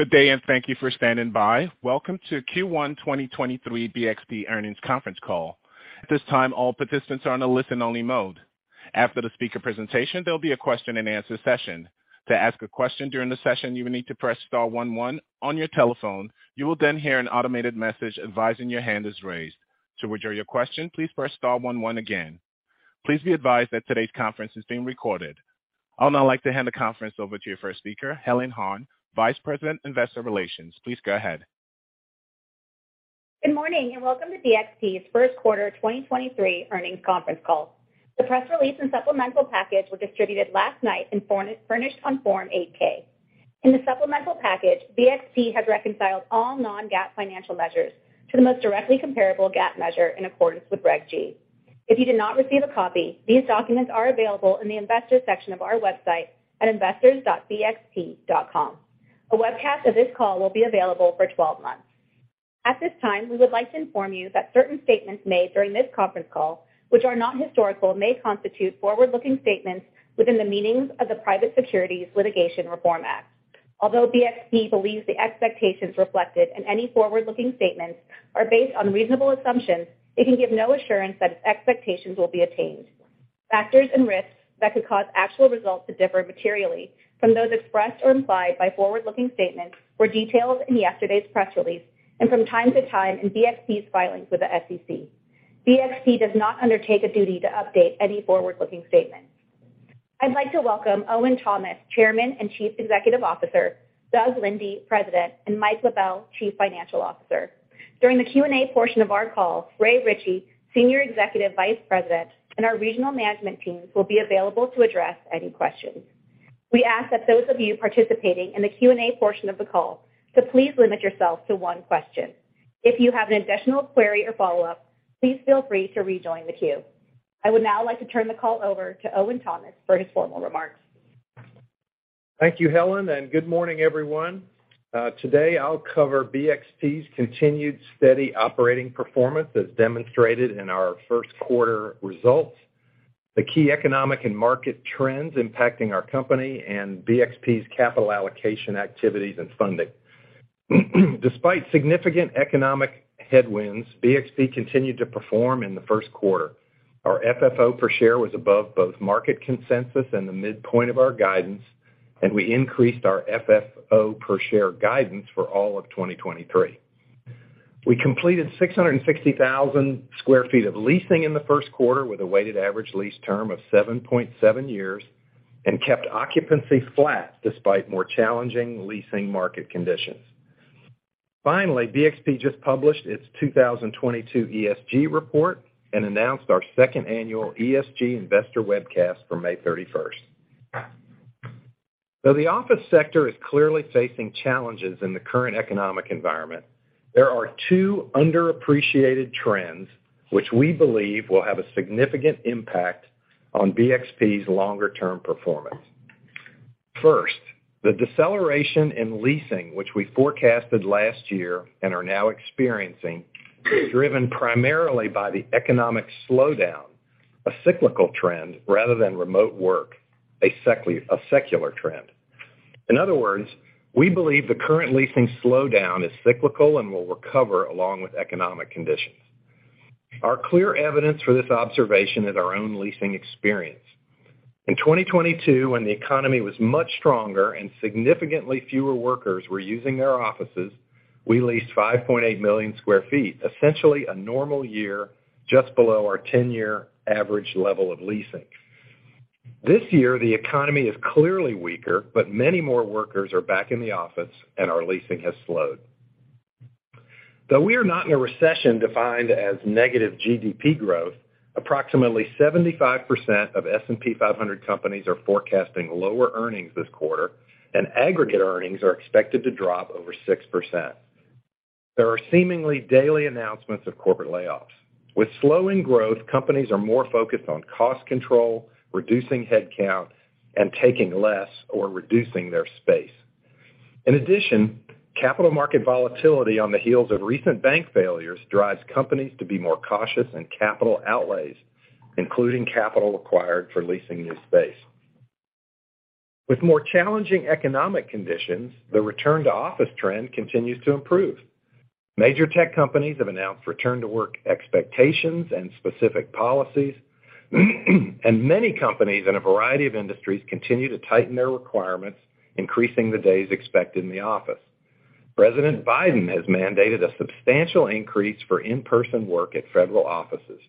Good day. Thank you for standing by. Welcome to Q1 2023 BXP Earnings Conference Call. At this time, all participants are on a listen-only mode. After the speaker presentation, there'll be a question-and-answer session. To ask a question during the session, you will need to press star one one on your telephone. You will hear an automated message advising your hand is raised. To withdraw your question, please press star one one again. Please be advised that today's conference is being recorded. I'll now like to hand the conference over to your first speaker, Helen Han, Vice President, Investor Relations. Please go ahead. Good morning, welcome to BXP's first quarter 2023 earnings conference call. The press release and supplemental package were distributed last night and furnished on Form 8-K. In the supplemental package, BXP has reconciled all non-GAAP financial measures to the most directly comparable GAAP measure in accordance with Reg G. If you did not receive a copy, these documents are available in the Investors section of our website at investors.bxp.com. A webcast of this call will be available for 12 months. At this time, we would like to inform you that certain statements made during this conference call, which are not historical, may constitute forward-looking statements within the meanings of the Private Securities Litigation Reform Act. Although BXP believes the expectations reflected in any forward-looking statements are based on reasonable assumptions, it can give no assurance that its expectations will be attained. Factors and risks that could cause actual results to differ materially from those expressed or implied by forward-looking statements were detailed in yesterday's press release and from time to time in BXP's filings with the SEC. BXP does not undertake a duty to update any forward-looking statement. I'd like to welcome Owen Thomas, Chairman and Chief Executive Officer, Doug Linde, President, and Mike LaBelle, Chief Financial Officer. During the Q&A portion of our call, Ray Ritchey, Senior Executive Vice President, and our regional management teams will be available to address any questions. We ask that those of you participating in the Q&A portion of the call to please limit yourself to one question. If you have an additional query or follow-up, please feel free to rejoin the queue. I would now like to turn the call over to Owen Thomas for his formal remarks. Thank you, Helen. Good morning, everyone. Today I'll cover BXP's continued steady operating performance as demonstrated in our first quarter results, the key economic and market trends impacting our company, and BXP's capital allocation activities and funding. Despite significant economic headwinds, BXP continued to perform in the first quarter. Our FFO per share was above both market consensus and the midpoint of our guidance. We increased our FFO per share guidance for all of 2023. We completed 660,000 sq ft of leasing in the first quarter with a weighted average lease term of 7.7 years and kept occupancy flat despite more challenging leasing market conditions. Finally, BXP just published its 2022 ESG report and announced our second annual ESG investor webcast for May 31st. Though the office sector is clearly facing challenges in the current economic environment, there are two underappreciated trends which we believe will have a significant impact on BXP's longer-term performance. First, the deceleration in leasing, which we forecasted last year and are now experiencing, is driven primarily by the economic slowdown, a cyclical trend rather than remote work, a secular trend. In other words, we believe the current leasing slowdown is cyclical and will recover along with economic conditions. Our clear evidence for this observation is our own leasing experience. In 2022, when the economy was much stronger and significantly fewer workers were using their offices, we leased 5.8 million sq ft, essentially a normal year just below our 10-year average level of leasing. This year, the economy is clearly weaker, but many more workers are back in the office and our leasing has slowed. Though we are not in a recession defined as negative GDP growth, approximately 75% of S&P 500 companies are forecasting lower earnings this quarter and aggregate earnings are expected to drop over 6%. There are seemingly daily announcements of corporate layoffs. With slowing growth, companies are more focused on cost control, reducing headcount, and taking less or reducing their space. In addition, capital market volatility on the heels of recent bank failures drives companies to be more cautious in capital outlays, including capital acquired for leasing new space. With more challenging economic conditions, the return to office trend continues to improve. Major tech companies have announced return to work expectations and specific policies, and many companies in a variety of industries continue to tighten their requirements, increasing the days expected in the office. President Biden has mandated a substantial increase for in-person work at federal offices.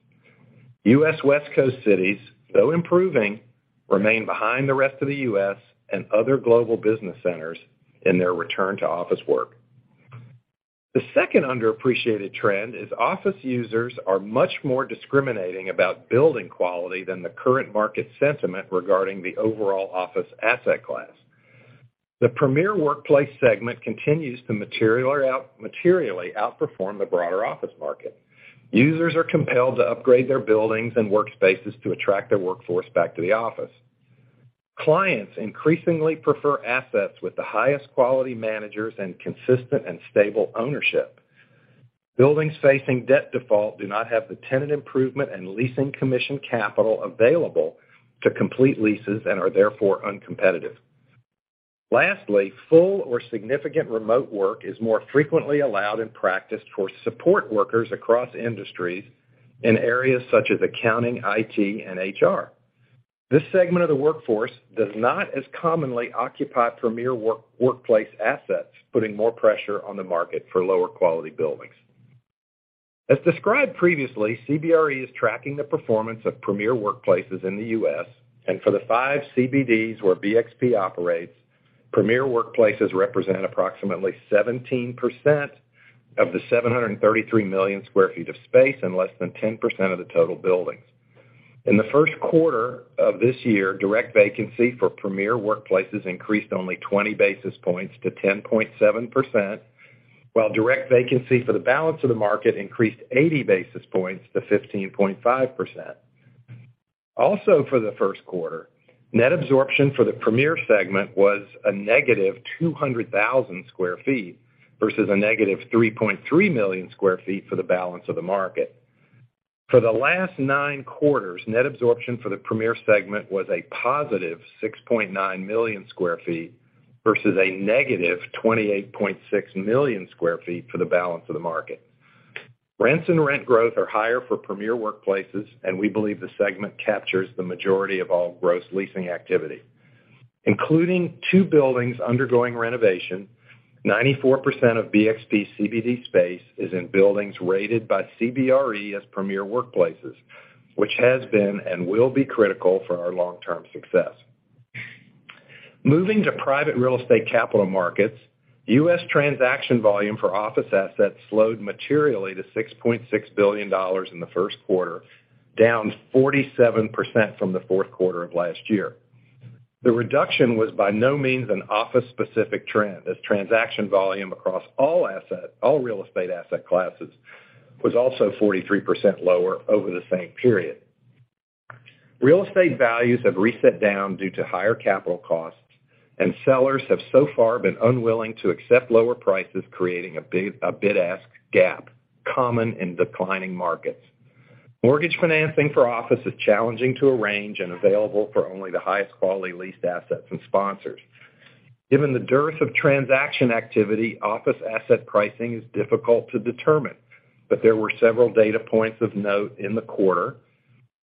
U.S. West Coast cities, though improving, remain behind the rest of the U.S. and other global business centers in their return to office work. The second underappreciated trend is office users are much more discriminating about building quality than the current market sentiment regarding the overall office asset class. The Premier Workplace segment continues to materially outperform the broader office market. Users are compelled to upgrade their buildings and workspaces to attract their workforce back to the office. Clients increasingly prefer assets with the highest quality managers and consistent and stable ownership. Buildings facing debt default do not have the tenant improvement and leasing commission capital available to complete leases and are therefore uncompetitive. Full or significant remote work is more frequently allowed in practice for support workers across industries in areas such as accounting, IT, and HR. This segment of the workforce does not as commonly occupy premier workplace assets, putting more pressure on the market for lower quality buildings. As described previously, CBRE is tracking the performance of premier workplaces in the U.S. For the 5 CBDs where BXP operates, premier workplaces represent approximately 17% of the 733 million sq ft of space in less than 10% of the total buildings. In the first quarter of this year, direct vacancy for premier workplaces increased only 20 basis points to 10.7%, while direct vacancy for the balance of the market increased 80 basis points to 15.5%. For the first quarter, net absorption for the premier segment was a negative 200,000 sq ft versus a negative 3.3 million sq ft for the balance of the market. For the last nine quarters, net absorption for the premier segment was a positive 6.9 million sq ft versus a negative 28.6 million sq ft for the balance of the market. Rents and rent growth are higher for premier workplaces, and we believe the segment captures the majority of all gross leasing activity. Including two buildings undergoing renovation, 94% of BXP CBD space is in buildings rated by CBRE as premier workplaces, which has been and will be critical for our long-term success. Moving to private real estate capital markets, U.S. transaction volume for office assets slowed materially to $6.6 billion in the first quarter, down 47% from the fourth quarter of last year. The reduction was by no means an office-specific trend, as transaction volume across all real estate asset classes was also 43% lower over the same period. Real estate values have reset down due to higher capital costs, and sellers have so far been unwilling to accept lower prices, creating a bid-ask gap, common in declining markets. Mortgage financing for office is challenging to arrange and available for only the highest quality leased assets and sponsors. Given the dearth of transaction activity, office asset pricing is difficult to determine, but there were several data points of note in the quarter.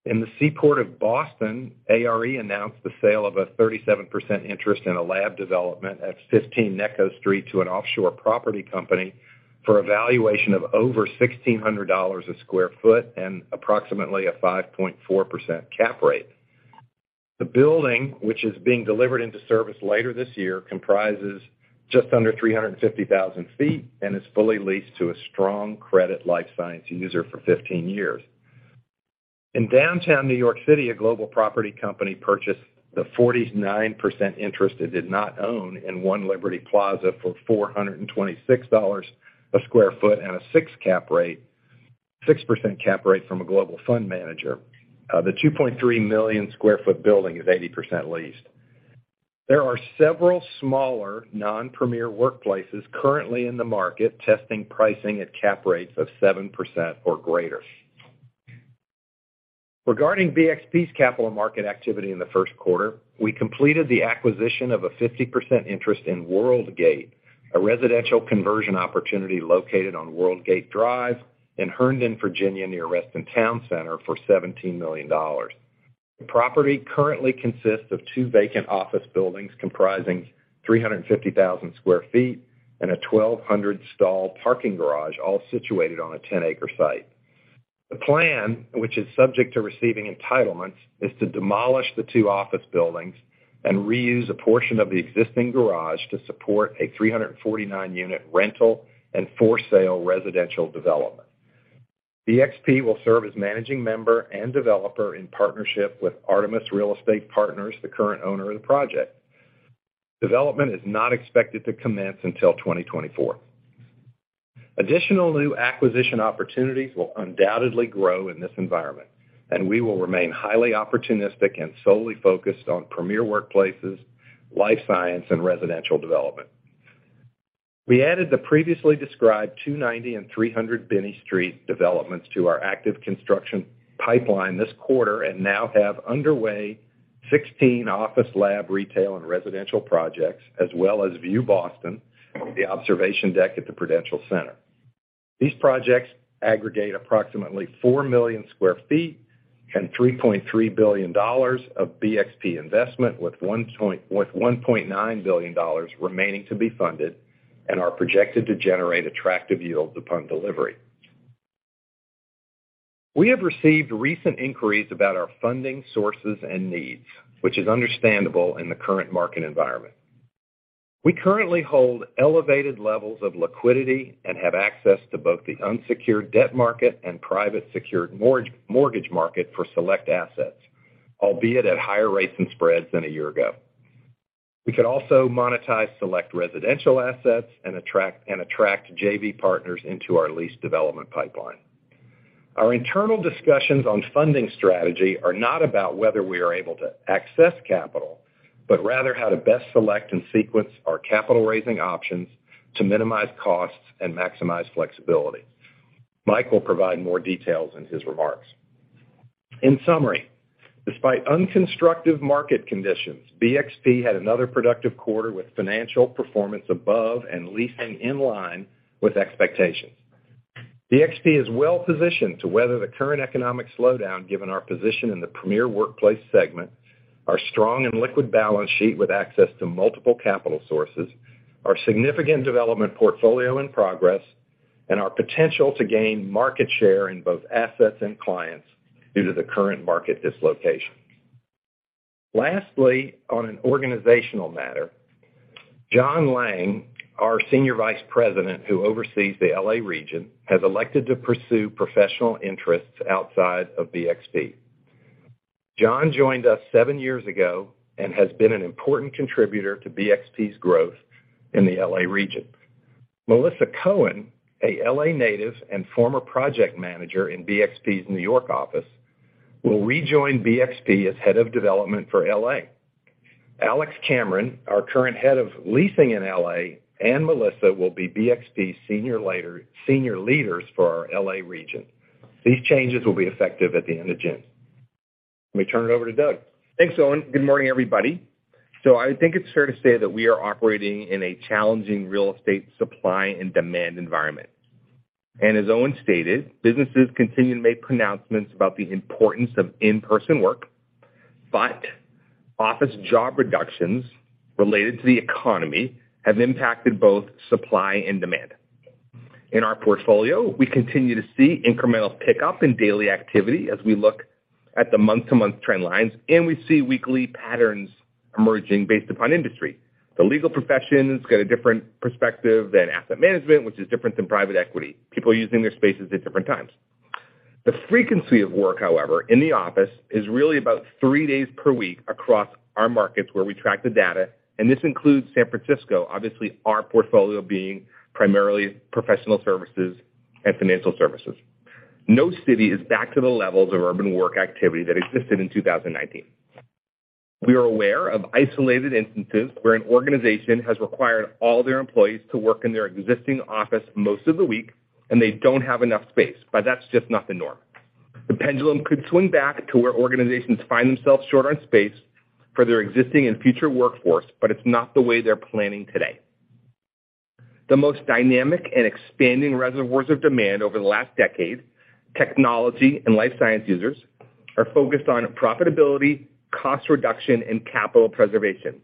In the Seaport of Boston, ARE announced the sale of a 37% interest in a lab development at 15 Necco Street to an offshore property company for a valuation of over $1,600 a sq ft and approximately a 5.4% cap rate. The building, which is being delivered into service later this year, comprises just under 350,000 sq ft and is fully leased to a strong credit life science user for 15 years. In downtown New York City, a global property company purchased the 49% interest it did not own in One Liberty Plaza for $426 a sq ft and a 6% cap rate from a global fund manager. The 2.3 million sq ft building is 80% leased. There are several smaller non-premier workplaces currently in the market testing pricing at cap rates of 7% or greater. Regarding BXP's capital market activity in the first quarter, we completed the acquisition of a 50% interest in Worldgate, a residential conversion opportunity located on Worldgate Drive in Herndon, Virginia, near Reston Town Center for $17 million. The property currently consists of two vacant office buildings comprising 350,000 sq ft and a 1,200 stall parking garage, all situated on a 10-acre site. The plan, which is subject to receiving entitlements, is to demolish the two office buildings and reuse a portion of the existing garage to support a 349 unit rental and for sale residential development. BXP will serve as managing member and developer in partnership with Artemis Real Estate Partners, the current owner of the project. Development is not expected to commence until 2024. Additional new acquisition opportunities will undoubtedly grow in this environment, and we will remain highly opportunistic and solely focused on premier workplaces, life science, and residential development. We added the previously described 290 and 300 Binney Street developments to our active construction pipeline this quarter and now have underway 16 office, lab, retail, and residential projects, as well as View Boston, the observation deck at the Prudential Center. These projects aggregate approximately 4 million sq ft and $3.3 billion of BXP investment, with $1.9 billion remaining to be funded and are projected to generate attractive yields upon delivery. We have received recent inquiries about our funding sources and needs, which is understandable in the current market environment. We currently hold elevated levels of liquidity and have access to both the unsecured debt market and private secured mortgage market for select assets, albeit at higher rates and spreads than a year ago. We could also monetize select residential assets and attract JV partners into our lease development pipeline. Our internal discussions on funding strategy are not about whether we are able to access capital, but rather how to best select and sequence our capital raising options to minimize costs and maximize flexibility. Mike will provide more details in his remarks. In summary, despite unconstructive market conditions, BXP had another productive quarter with financial performance above and leasing in line with expectations. BXP is well positioned to weather the current economic slowdown given our position in the premier workplace segment, our strong and liquid balance sheet with access to multiple capital sources, our significant development portfolio in progress, and our potential to gain market share in both assets and clients due to the current market dislocation. Lastly, on an organizational matter, John Laing, our Senior Vice President who oversees the L.A. region, has elected to pursue professional interests outside of BXP. John joined us seven years ago and has been an important contributor to BXP's growth in the L.A. region. Melissa Cohen, a L.A. native and former project manager in BXP's New York office, will rejoin BXP as Head of Development for L.A. Alex Cameron, our current Head of Leasing in L.A., and Melissa will be BXP's senior leaders for our L.A. region. These changes will be effective at the end of June. Let me turn it over to Doug. Thanks, Owen. Good morning, everybody. I think it's fair to say that we are operating in a challenging real estate supply and demand environment. As Owen stated, businesses continue to make pronouncements about the importance of in-person work, but office job reductions related to the economy have impacted both supply and demand. In our portfolio, we continue to see incremental pickup in daily activity as we look at the month-to-month trend lines, and we see weekly patterns emerging based upon industry. The legal profession's got a different perspective than asset management, which is different than private equity. People are using their spaces at different times. The frequency of work, however, in the office is really about three days per week across our markets where we track the data, and this includes San Francisco, obviously, our portfolio being primarily professional services and financial services. No city is back to the levels of urban work activity that existed in 2019. We are aware of isolated instances where an organization has required all their employees to work in their existing office most of the week, and they don't have enough space, but that's just not the norm. The pendulum could swing back to where organizations find themselves short on space for their existing and future workforce, but it's not the way they're planning today. The most dynamic and expanding reservoirs of demand over the last decade, technology and life science users, are focused on profitability, cost reduction, and capital preservation.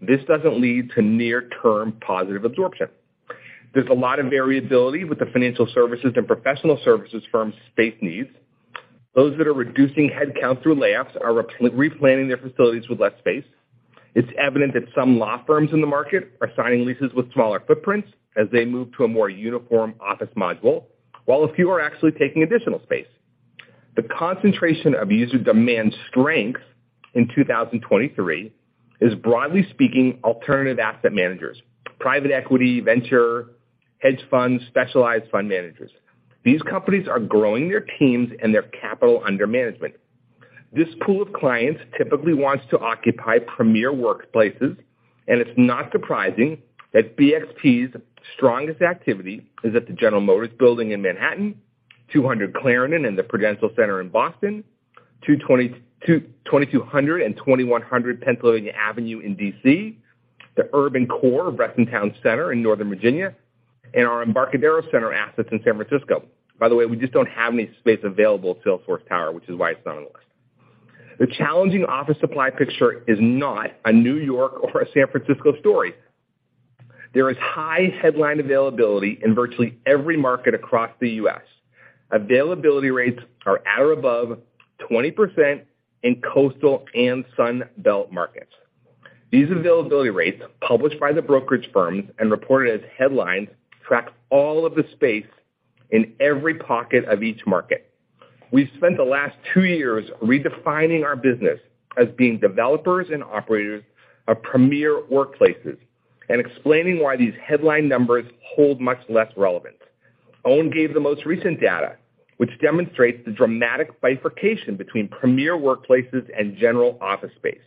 This doesn't lead to near term positive absorption. There's a lot of variability with the financial services and professional services firms' space needs. Those that are reducing headcount through layoffs are replanning their facilities with less space. It's evident that some law firms in the market are signing leases with smaller footprints as they move to a more uniform office module, while a few are actually taking additional space. The concentration of user demand strength in 2023 is, broadly speaking, alternative asset managers, private equity, venture, hedge funds, specialized fund managers. These companies are growing their teams and their capital under management. This pool of clients typically wants to occupy premier workplaces, and it's not surprising that BXP's strongest activity is at the General Motors building in Manhattan, 200 Clarendon in the Prudential Center in Boston, 2200 and 2100 Pennsylvania Avenue in D.C., the urban core of Reston Town Center in Northern Virginia, and our Embarcadero Center assets in San Francisco. By the way, we just don't have any space available at Salesforce Tower, which is why it's not on the list. The challenging office supply picture is not a New York or a San Francisco story. There is high headline availability in virtually every market across the U.S. Availability rates are at or above 20% in coastal and Sun Belt markets. These availability rates, published by the brokerage firms and reported as headlines, track all of the space in every pocket of each market. We've spent the last two years redefining our business as being developers and operators of premier workplaces and explaining why these headline numbers hold much less relevance. Owen gave the most recent data, which demonstrates the dramatic bifurcation between premier workplaces and general office space.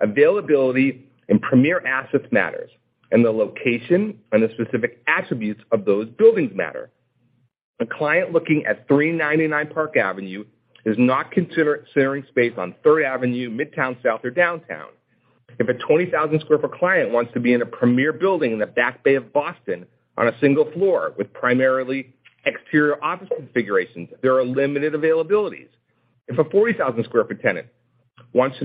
Availability in premier assets matters, and the location and the specific attributes of those buildings matter. A client looking at 399 Park Avenue is not considering space on Third Avenue, Midtown South, or downtown. If a 20,000 sq ft client wants to be in a premier building in the Back Bay of Boston on a single floor with primarily exterior office configurations, there are limited availabilities. If a 40,000 sq ft tenant wants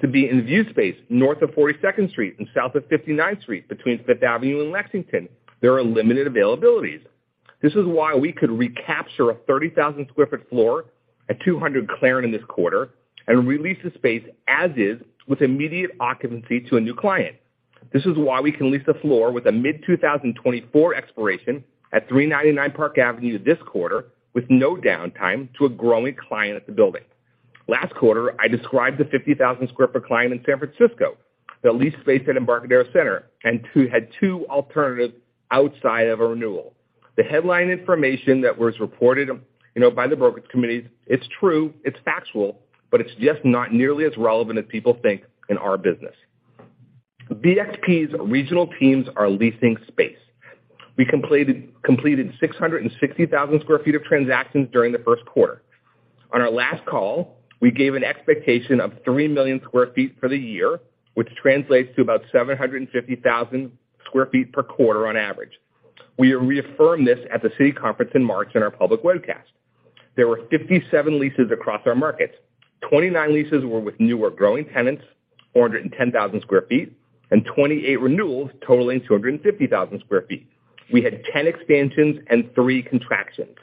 to be in view space north of 42nd Street and south of 59th Street between Fifth Avenue and Lexington, there are limited availabilities. This is why we could recapture a 30,000 sq ft floor at 200 Clarendon this quarter and re-lease the space as is with immediate occupancy to a new client. This is why we can lease the floor with a mid-2024 expiration at 399 Park Avenue this quarter with no downtime to a growing client at the building. Last quarter, I described the 50,000 sq ft client in San Francisco that leased space at Embarcadero Center and had two alternatives outside of a renewal. The headline information that was reported, you know, by the brokerage committees, it's true, it's factual, but it's just not nearly as relevant as people think in our business. BXP's regional teams are leasing space. We completed 660,000 sq ft of transactions during the first quarter. On our last call, we gave an expectation of 3 million sq ft for the year, which translates to about 750,000 sq ft per quarter on average. We reaffirmed this at the Citi conference in March in our public webcast. There were 57 leases across our markets. 29 leases were with new or growing tenants, 410,000 sq ft, and 28 renewals totaling 250,000 sq ft. We had 10 expansions and 3 contractions.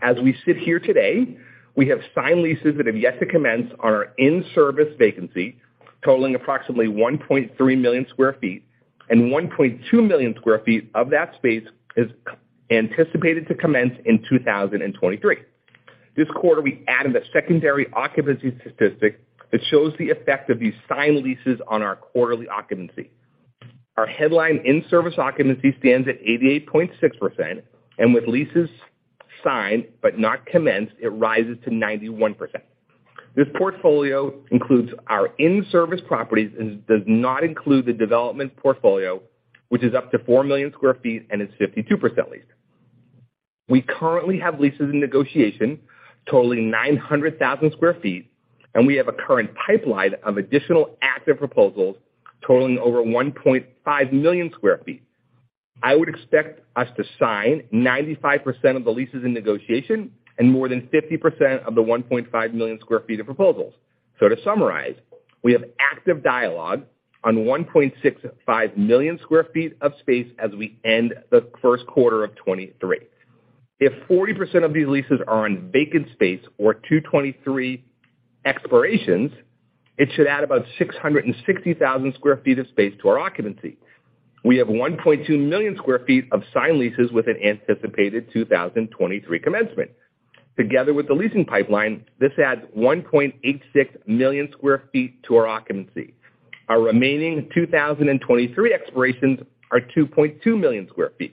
As we sit here today, we have signed leases that have yet to commence on our in-service vacancy totaling approximately 1.3 million sq ft, and 1.2 million sq ft of that space is anticipated to commence in 2023. This quarter, we added a secondary occupancy statistic that shows the effect of these signed leases on our quarterly occupancy. Our headline in-service occupancy stands at 88.6%, and with leases signed but not commenced, it rises to 91%. This portfolio includes our in-service properties and does not include the development portfolio, which is up to 4 million sq ft and is 52% leased. We currently have leases in negotiation totaling 900,000 sq ft, and we have a current pipeline of additional active proposals totaling over 1.5 million sq ft. I would expect us to sign 95% of the leases in negotiation and more than 50% of the 1.5 million sq ft of proposals. To summarize, we have active dialogue on 1.65 million sq ft of space as we end the first quarter of 2023. If 40% of these leases are on vacant space or 2023 expirations, it should add about 660,000 sq ft of space to our occupancy. We have 1.2 million sq ft of signed leases with an anticipated 2023 commencement. Together with the leasing pipeline, this adds 1.86 million sq ft to our occupancy. Our remaining 2023 expirations are 2.2 million sq ft.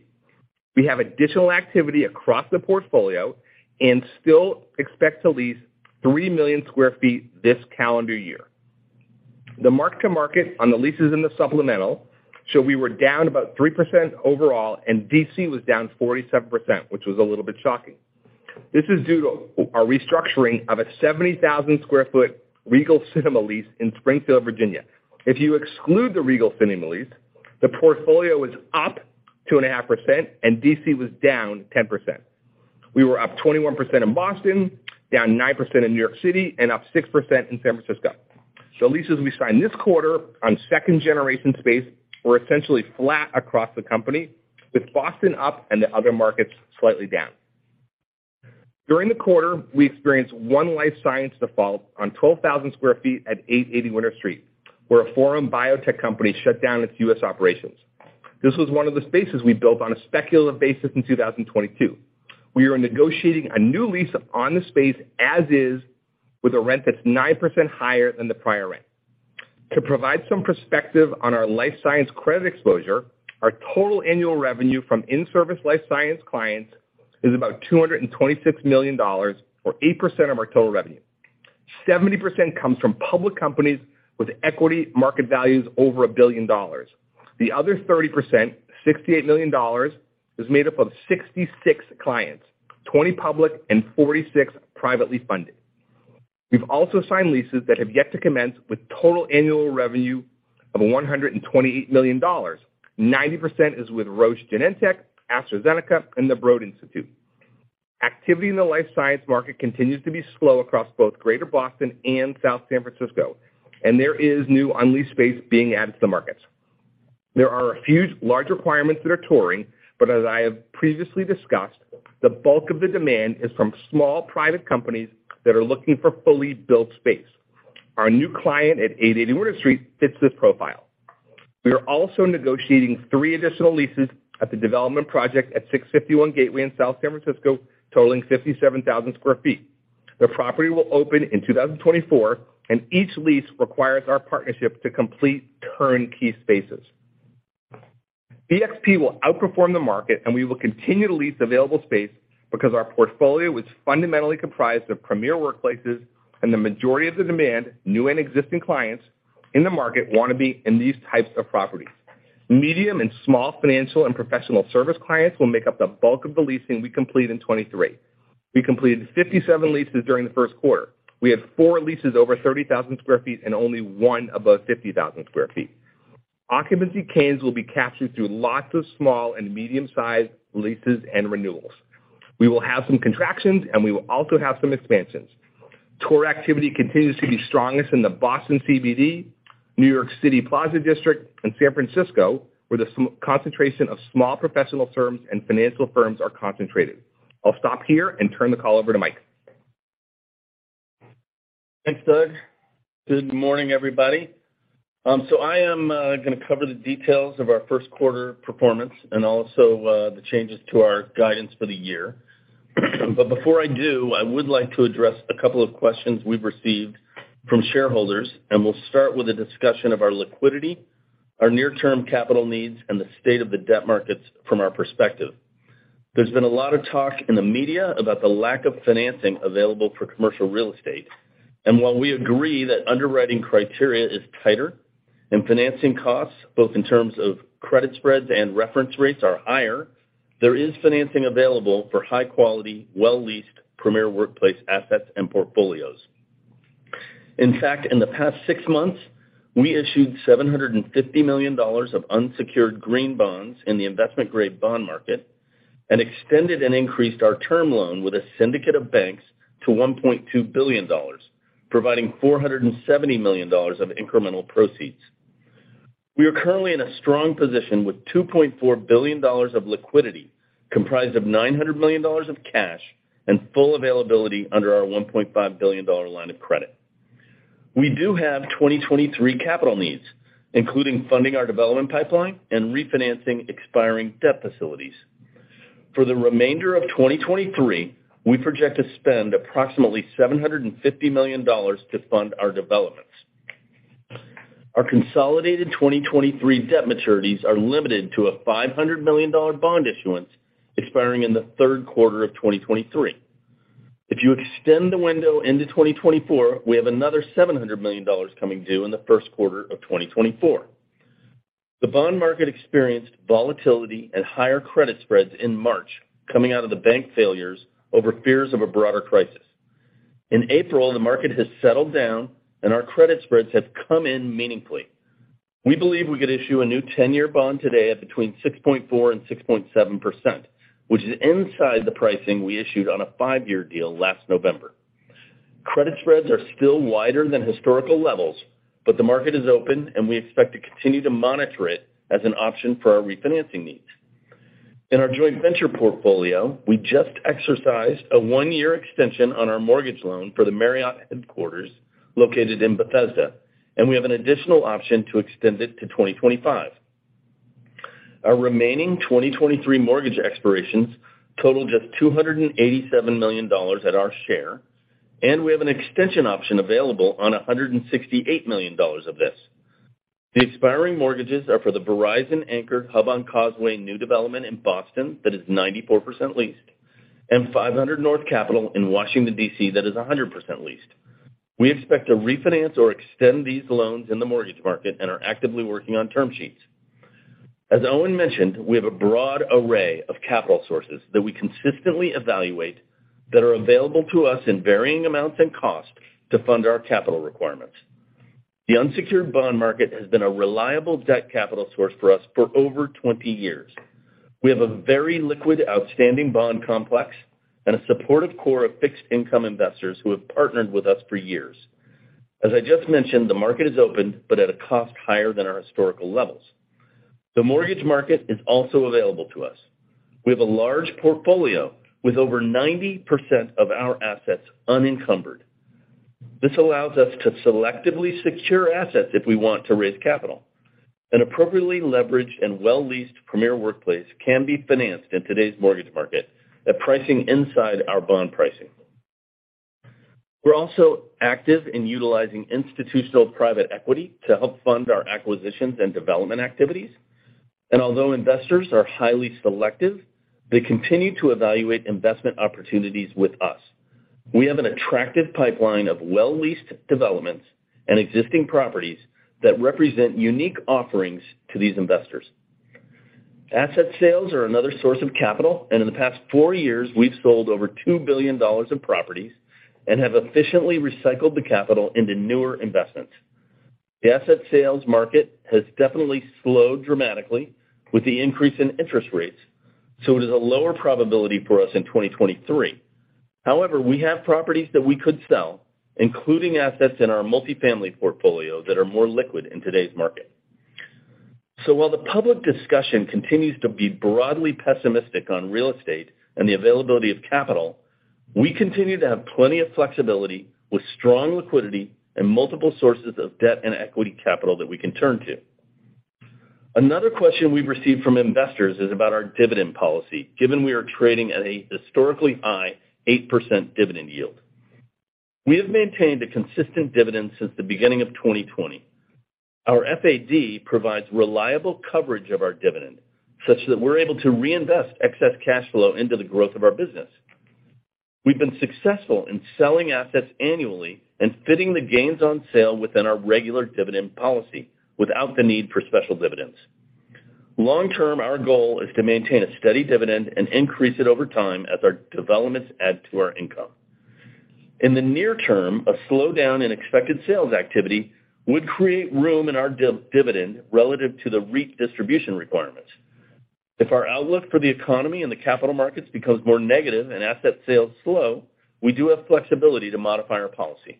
We have additional activity across the portfolio and still expect to lease 3 million sq ft this calendar year. The mark-to-market on the leases in the supplemental show we were down about 3% overall, and D.C. was down 47%, which was a little bit shocking. This is due to our restructuring of a 70,000 sq ft Regal Cinemas lease in Springfield, Virginia. If you exclude the Regal Cinemas lease, the portfolio was up 2.5% and D.C. was down 10%. We were up 21% in Boston, down 9% in New York City, and up 6% in San Francisco. The leases we signed this quarter on second generation space were essentially flat across the company, with Boston up and the other markets slightly down. During the quarter, we experienced one life science default on 12,000 sq ft at 880 Winter Street, where a foreign biotech company shut down its U.S. operations. This was one of the spaces we built on a speculative basis in 2022. We are negotiating a new lease on the space as is, with a rent that's 9% higher than the prior rent. To provide some perspective on our life science credit exposure, our total annual revenue from in-service life science clients is about $226 million, or 8% of our total revenue. 70% comes from public companies with equity market values over $1 billion. The other 30%, $68 million, is made up of 66 clients, 20 public and 46 privately funded. We've also signed leases that have yet to commence with total annual revenue of $128 million. 90% is with Roche Genentech, AstraZeneca, and the Broad Institute. Activity in the life science market continues to be slow across both Greater Boston and South San Francisco, and there is new unleased space being added to the markets. There are a few large requirements that are touring, but as I have previously discussed, the bulk of the demand is from small private companies that are looking for fully built space. Our new client at 880 Winter Street fits this profile. We are also negotiating 3 additional leases at the development project at 651 Gateway in South San Francisco, totaling 57,000 sq ft. The property will open in 2024, and each lease requires our partnership to complete turnkey spaces. BXP will outperform the market, and we will continue to lease available space because our portfolio is fundamentally comprised of premier workplaces and the majority of the demand, new and existing clients in the market want to be in these types of properties. Medium and small financial and professional service clients will make up the bulk of the leasing we complete in 2023. We completed 57 leases during the first quarter. We had 4 leases over 30,000 sq ft and only 1 above 50,000 sq ft. Occupancy gains will be captured through lots of small and medium sized leases and renewals. We will have some contractions, and we will also have some expansions. Tour activity continues to be strongest in the Boston CBD, New York City Plaza District, and San Francisco, where the concentration of small professional firms and financial firms are concentrated. I'll stop here and turn the call over to Mike. Thanks, Doug. Good morning, everybody. I am gonna cover the details of our first quarter performance and also the changes to our guidance for the year. Before I do, I would like to address a couple of questions we've received from shareholders, and we'll start with a discussion of our liquidity, our near-term capital needs, and the state of the debt markets from our perspective. There's been a lot of talk in the media about the lack of financing available for commercial real estate. While we agree that underwriting criteria is tighter and financing costs, both in terms of credit spreads and reference rates, are higher, there is financing available for high quality, well-leased premier workplace assets and portfolios. In fact, in the past six months, we issued $750 million of unsecured green bonds in the investment grade bond market and extended and increased our term loan with a syndicate of banks to $1.2 billion, providing $470 million of incremental proceeds. We are currently in a strong position with $2.4 billion of liquidity, comprised of $900 million of cash and full availability under our $1.5 billion line of credit. We do have 2023 capital needs, including funding our development pipeline and refinancing expiring debt facilities. For the remainder of 2023, we project to spend approximately $750 million to fund our developments. Our consolidated 2023 debt maturities are limited to a $500 million bond issuance expiring in the third quarter of 2023. If you extend the window into 2024, we have another $700 million coming due in the first quarter of 2024. The bond market experienced volatility and higher credit spreads in March, coming out of the bank failures over fears of a broader crisis. In April, the market has settled down and our credit spreads have come in meaningfully. We believe we could issue a new 10-year bond today at between 6.4% and 6.7%, which is inside the pricing we issued on a five-year deal last November. Credit spreads are still wider than historical levels, but the market is open, and we expect to continue to monitor it as an option for our refinancing needs. In our joint venture portfolio, we just exercised a one year extension on our mortgage loan for the Marriott headquarters located in Bethesda, and we have an additional option to extend it to 2025. Our remaining 2023 mortgage expirations total just $287 million at our share, and we have an extension option available on $168 million of this. The expiring mortgages are for the Verizon anchor Hub on Causeway new development in Boston that is 94% leased, and 500 North Capitol in Washington, D.C. that is 100% leased. We expect to refinance or extend these loans in the mortgage market and are actively working on term sheets. As Owen mentioned, we have a broad array of capital sources that we consistently evaluate that are available to us in varying amounts and costs to fund our capital requirements. The unsecured bond market has been a reliable debt capital source for us for over 20 years. We have a very liquid outstanding bond complex and a supportive core of fixed income investors who have partnered with us for years. As I just mentioned, the market is open, but at a cost higher than our historical levels. The mortgage market is also available to us. We have a large portfolio with over 90% of our assets unencumbered. This allows us to selectively secure assets if we want to raise capital. An appropriately leveraged and well-leased premier workplace can be financed in today's mortgage market at pricing inside our bond pricing. We're also active in utilizing institutional private equity to help fund our acquisitions and development activities. Although investors are highly selective, they continue to evaluate investment opportunities with us. We have an attractive pipeline of well-leased developments and existing properties that represent unique offerings to these investors. Asset sales are another source of capital. In the past four years, we've sold over $2 billion of properties and have efficiently recycled the capital into newer investments. The asset sales market has definitely slowed dramatically with the increase in interest rates. It is a lower probability for us in 2023. However, we have properties that we could sell, including assets in our multifamily portfolio that are more liquid in today's market. While the public discussion continues to be broadly pessimistic on real estate and the availability of capital, we continue to have plenty of flexibility with strong liquidity and multiple sources of debt and equity capital that we can turn to. Another question we've received from investors is about our dividend policy, given we are trading at a historically high 8% dividend yield. We have maintained a consistent dividend since the beginning of 2020. Our FAD provides reliable coverage of our dividend, such that we're able to reinvest excess cash flow into the growth of our business. We've been successful in selling assets annually and fitting the gains on sale within our regular dividend policy without the need for special dividends. Long term, our goal is to maintain a steady dividend and increase it over time as our developments add to our income. In the near term, a slowdown in expected sales activity would create room in our dividend relative to the REIT distribution requirements. If our outlook for the economy and the capital markets becomes more negative and asset sales slow, we do have flexibility to modify our policy.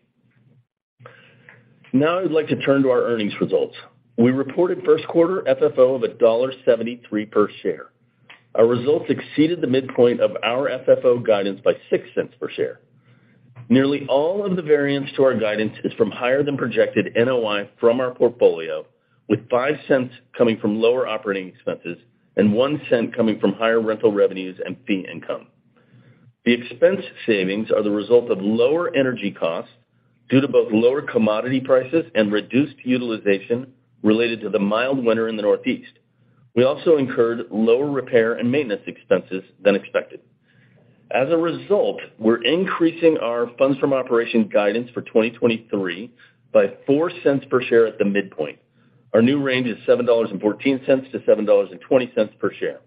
Now I'd like to turn to our earnings results. We reported first quarter FFO of $1.73 per share. Our results exceeded the midpoint of our FFO guidance by $0.06 per share. Nearly all of the variance to our guidance is from higher than projected NOI from our portfolio, with $0.05 coming from lower operating expenses and $0.01 coming from higher rental revenues and fee income. The expense savings are the result of lower energy costs due to both lower commodity prices and reduced utilization related to the mild winter in the Northeast. We also incurred lower repair and maintenance expenses than expected. As a result, we're increasing our funds from operations guidance for 2023 by $0.04 per share at the midpoint. Our new range is $7.14 to $7.20 per share.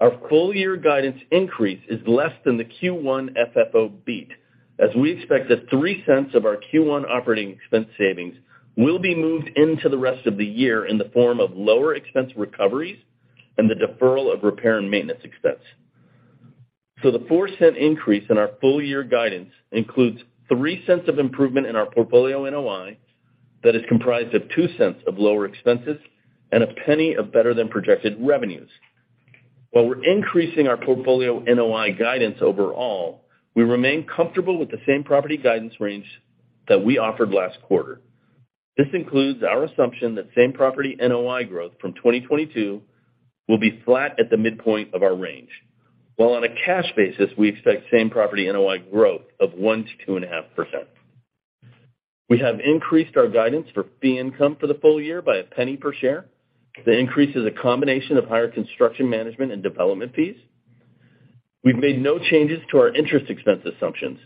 Our full year guidance increase is less than the Q1 FFO beat, as we expect that $0.03 of our Q1 operating expense savings will be moved into the rest of the year in the form of lower expense recoveries and the deferral of repair and maintenance expense. The $0.04 increase in our full year guidance includes $0.03 of improvement in our portfolio NOI that is comprised of $0.02 of lower expenses and $0.01 of better than projected revenues. While we're increasing our portfolio NOI guidance overall, we remain comfortable with the same property guidance range that we offered last quarter. This includes our assumption that same property NOI growth from 2022 will be flat at the midpoint of our range. While on a cash basis, we expect same property NOI growth of 1% to 2.5%. We have increased our guidance for fee income for the full year by $0.01 per share. The increase is a combination of higher construction management and development fees. We've made no changes to our interest expense assumptions.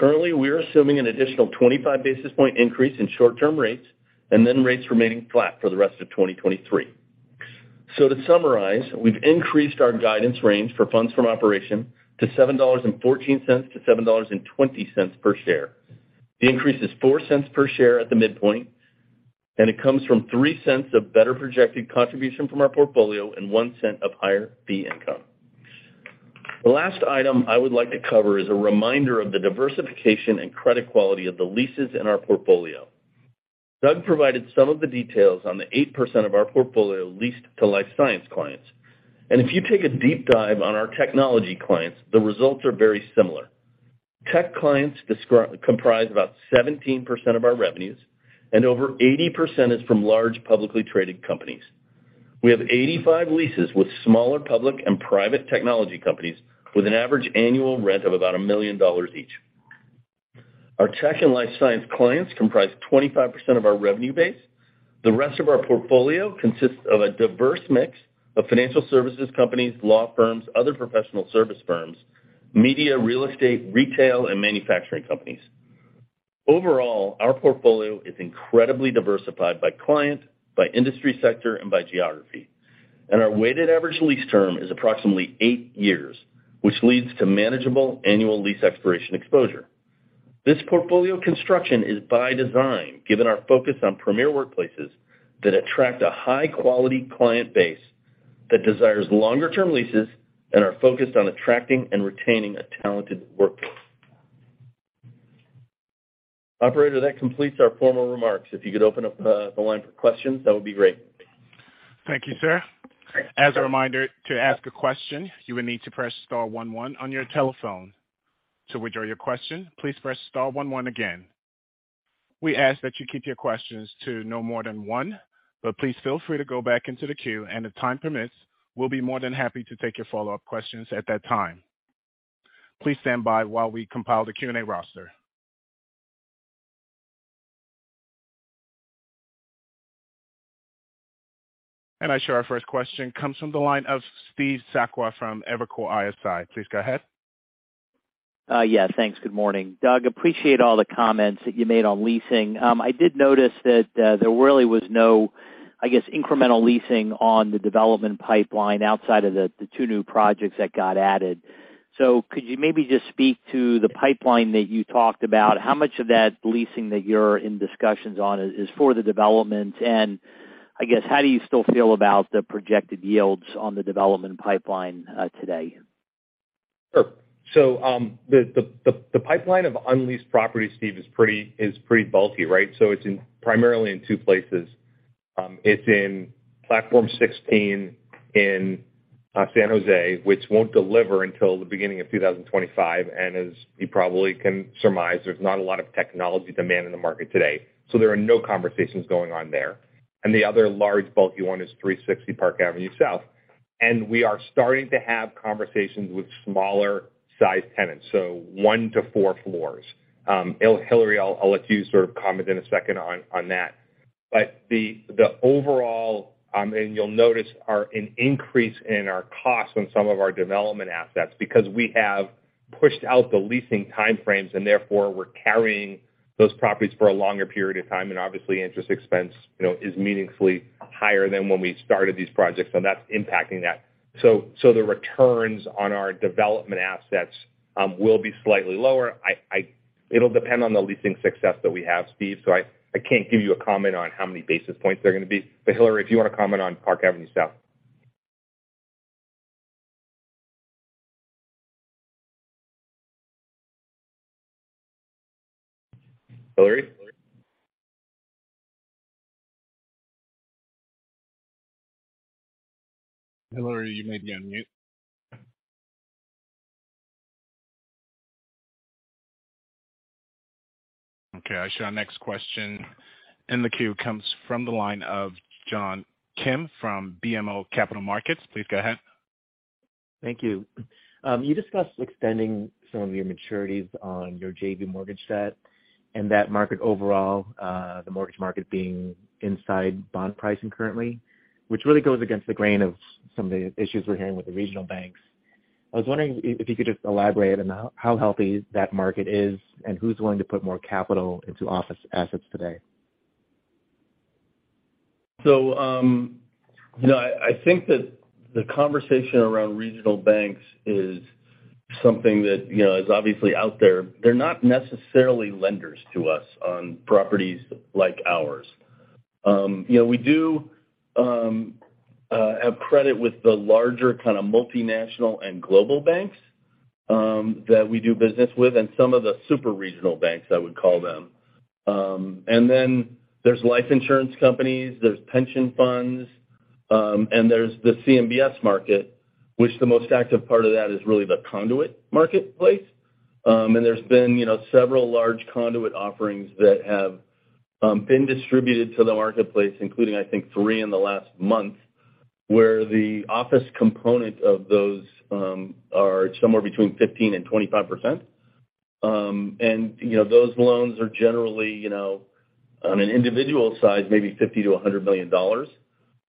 We are assuming an additional 25 basis point increase in short-term rates, and then rates remaining flat for the rest of 2023. To summarize, we've increased our guidance range for funds from operation to $7.14 to $7.20 per share. The increase is $0.04 per share at the midpoint, it comes from $0.03 of better projected contribution from our portfolio and $0.01 of higher fee income. The last item I would like to cover is a reminder of the diversification and credit quality of the leases in our portfolio. Doug provided some of the details on the 8% of our portfolio leased to life science clients. If you take a deep dive on our technology clients, the results are very similar. Tech clients comprise about 17% of our revenues and over 80% is from large publicly traded companies. We have 85 leases with smaller public and private technology companies with an average annual rent of about $1 million each. Our tech and life science clients comprise 25% of our revenue base. The rest of our portfolio consists of a diverse mix of financial services companies, law firms, other professional service firms, media, real estate, retail, and manufacturing companies. Overall, our portfolio is incredibly diversified by client, by industry sector, and by geography. Our weighted average lease term is approximately eight years, which leads to manageable annual lease expiration exposure. This portfolio construction is by design, given our focus on premier workplaces that attract a high quality client base that desires longer term leases and are focused on attracting and retaining a talented workforce. Operator, that completes our formal remarks. If you could open up the line for questions, that would be great. Thank you, sir. As a reminder, to ask a question, you will need to press star one one on your telephone. To withdraw your question, please press star one one again. We ask that you keep your questions to no more than one, but please feel free to go back into the queue, and if time permits, we'll be more than happy to take your follow-up questions at that time. Please stand by while we compile the Q&A roster. I show our first question comes from the line of Steve Sakwa from Evercore ISI. Please go ahead. Yeah, thanks. Good morning. Doug, appreciate all the comments that you made on leasing. I did notice that there really was no, I guess, incremental leasing on the development pipeline outside of the two new projects that got added. Could you maybe just speak to the pipeline that you talked about? How much of that leasing that you're in discussions on is for the development? I guess, how do you still feel about the projected yields on the development pipeline today? Sure. The pipeline of unleased property, Steve, is pretty bulky, right? It's in primarily in two places. It's in Platform 16 in San Jose, which won't deliver until the beginning of 2025. As you probably can surmise, there's not a lot of technology demand in the market today, there are no conversations going on there. The other large bulky one is 360 Park Avenue South. We are starting to have conversations with smaller size tenants, so one to four floors. Hilary, I'll let you sort of comment in a second on that. The overall, and you'll notice are an increase in our costs on some of our development assets because we have pushed out the leasing time frames and therefore we're carrying those properties for a longer period of time, and obviously interest expense, you know, is meaningfully higher than when we started these projects, and that's impacting that. The returns on our development assets will be slightly lower. It'll depend on the leasing success that we have, Steve, so I can't give you a comment on how many basis points they're gonna be. Hilary, if you wanna comment on Park Avenue South. Hilary? Hilary, you may be on mute. Okay, I show our next question in the queue comes from the line of John Kim from BMO Capital Markets. Please go ahead. Thank you. You discussed extending some of your maturities on your JB mortgage set and that market overall, the mortgage market being inside bond pricing currently, which really goes against the grain of some of the issues we're hearing with the regional banks. I was wondering if you could just elaborate on how healthy that market is and who's willing to put more capital into office assets today. You know, I think that the conversation around regional banks is something that, you know, is obviously out there. They're not necessarily lenders to us on properties like ours. You know, we do have credit with the larger kind of multinational and global banks that we do business with and some of the super-regional banks, I would call them. There's life insurance companies, there's pension funds, and there's the CMBS market, which the most active part of that is really the conduit marketplace. There's been, you know, several large conduit offerings that have been distributed to the marketplace, including, I think, three in the last month, where the office component of those are somewhere between 15% and 25%. You know, those loans are generally, you know, on an individual size, maybe $50 million or $100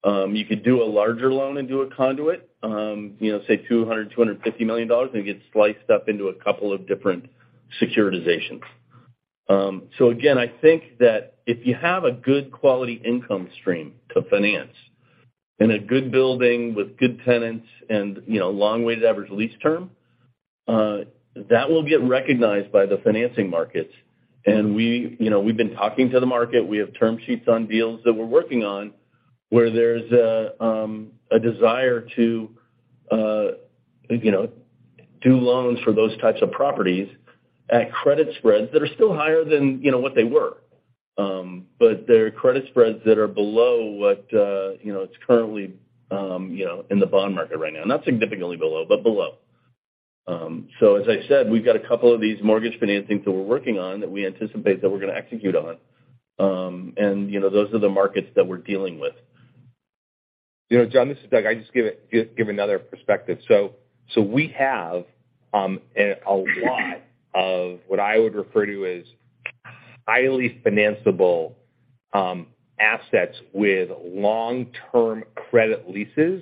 million. You could do a larger loan and do a conduit, you know, say $250 million, and it gets sliced up into a couple of different securitizations. Again, I think that if you have a good quality income stream to finance in a good building with good tenants and, you know, long weighted average lease term, that will get recognized by the financing markets. We, you know, we've been talking to the market. We have term sheets on deals that we're working on where there's a desire to, you know, do loans for those types of properties at credit spreads that are still higher than, you know, what they were. They're credit spreads that are below what, you know, it's currently, you know, in the bond market right now. Not significantly below, but below. As I said, we've got a couple of these mortgage financings that we're working on that we anticipate that we're gonna execute on. You know, those are the markets that we're dealing with. You know, John, this is Doug. I just give another perspective. We have a lot of what I would refer to as highly financeable assets with long-term credit leases,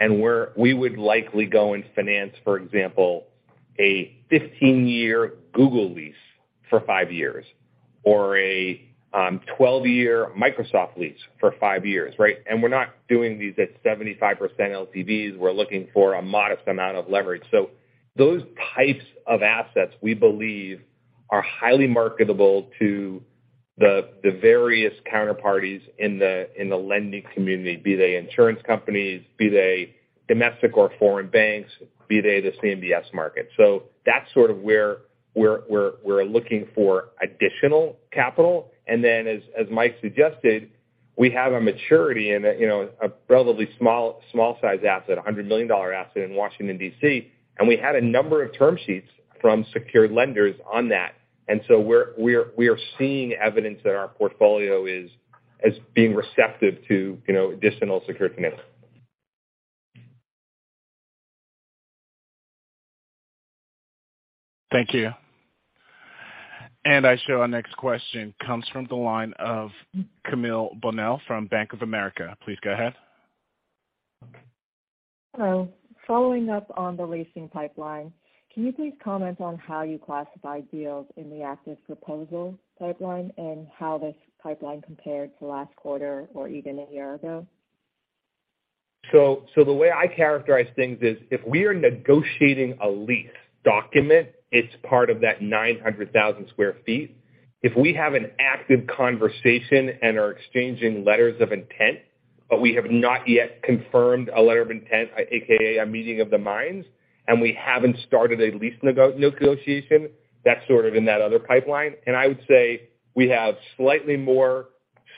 and we would likely go and finance, for example, a 15-year Google lease for five years or a 12-year Microsoft lease for five years, right? We're not doing these at 75% LTVs. We're looking for a modest amount of leverage. Those types of assets, we believe, are highly marketable to the various counterparties in the lending community, be they insurance companies, be they domestic or foreign banks, be they the CMBS market. That's sort of where we're looking for additional capital. As Mike suggested, we have a maturity in a, you know, a relatively small size asset, a $100 million asset in Washington, D.C., and we had a number of term sheets from secured lenders on that. So we are seeing evidence that our portfolio is being receptive to, you know, additional secured financing. Thank you. I show our next question comes from the line of Camille Bonnel from Bank of America. Please go ahead. Hello. Following up on the leasing pipeline, can you please comment on how you classify deals in the active proposal pipeline and how this pipeline compared to last quarter or even a year ago? The way I characterize things is if we are negotiating a lease document, it's part of that 900,000 sq ft. If we have an active conversation and are exchanging letters of intent, but we have not yet confirmed a letter of intent, AKA, a meeting of the minds, and we haven't started a lease negotiation, that's sort of in that other pipeline. I would say we have slightly more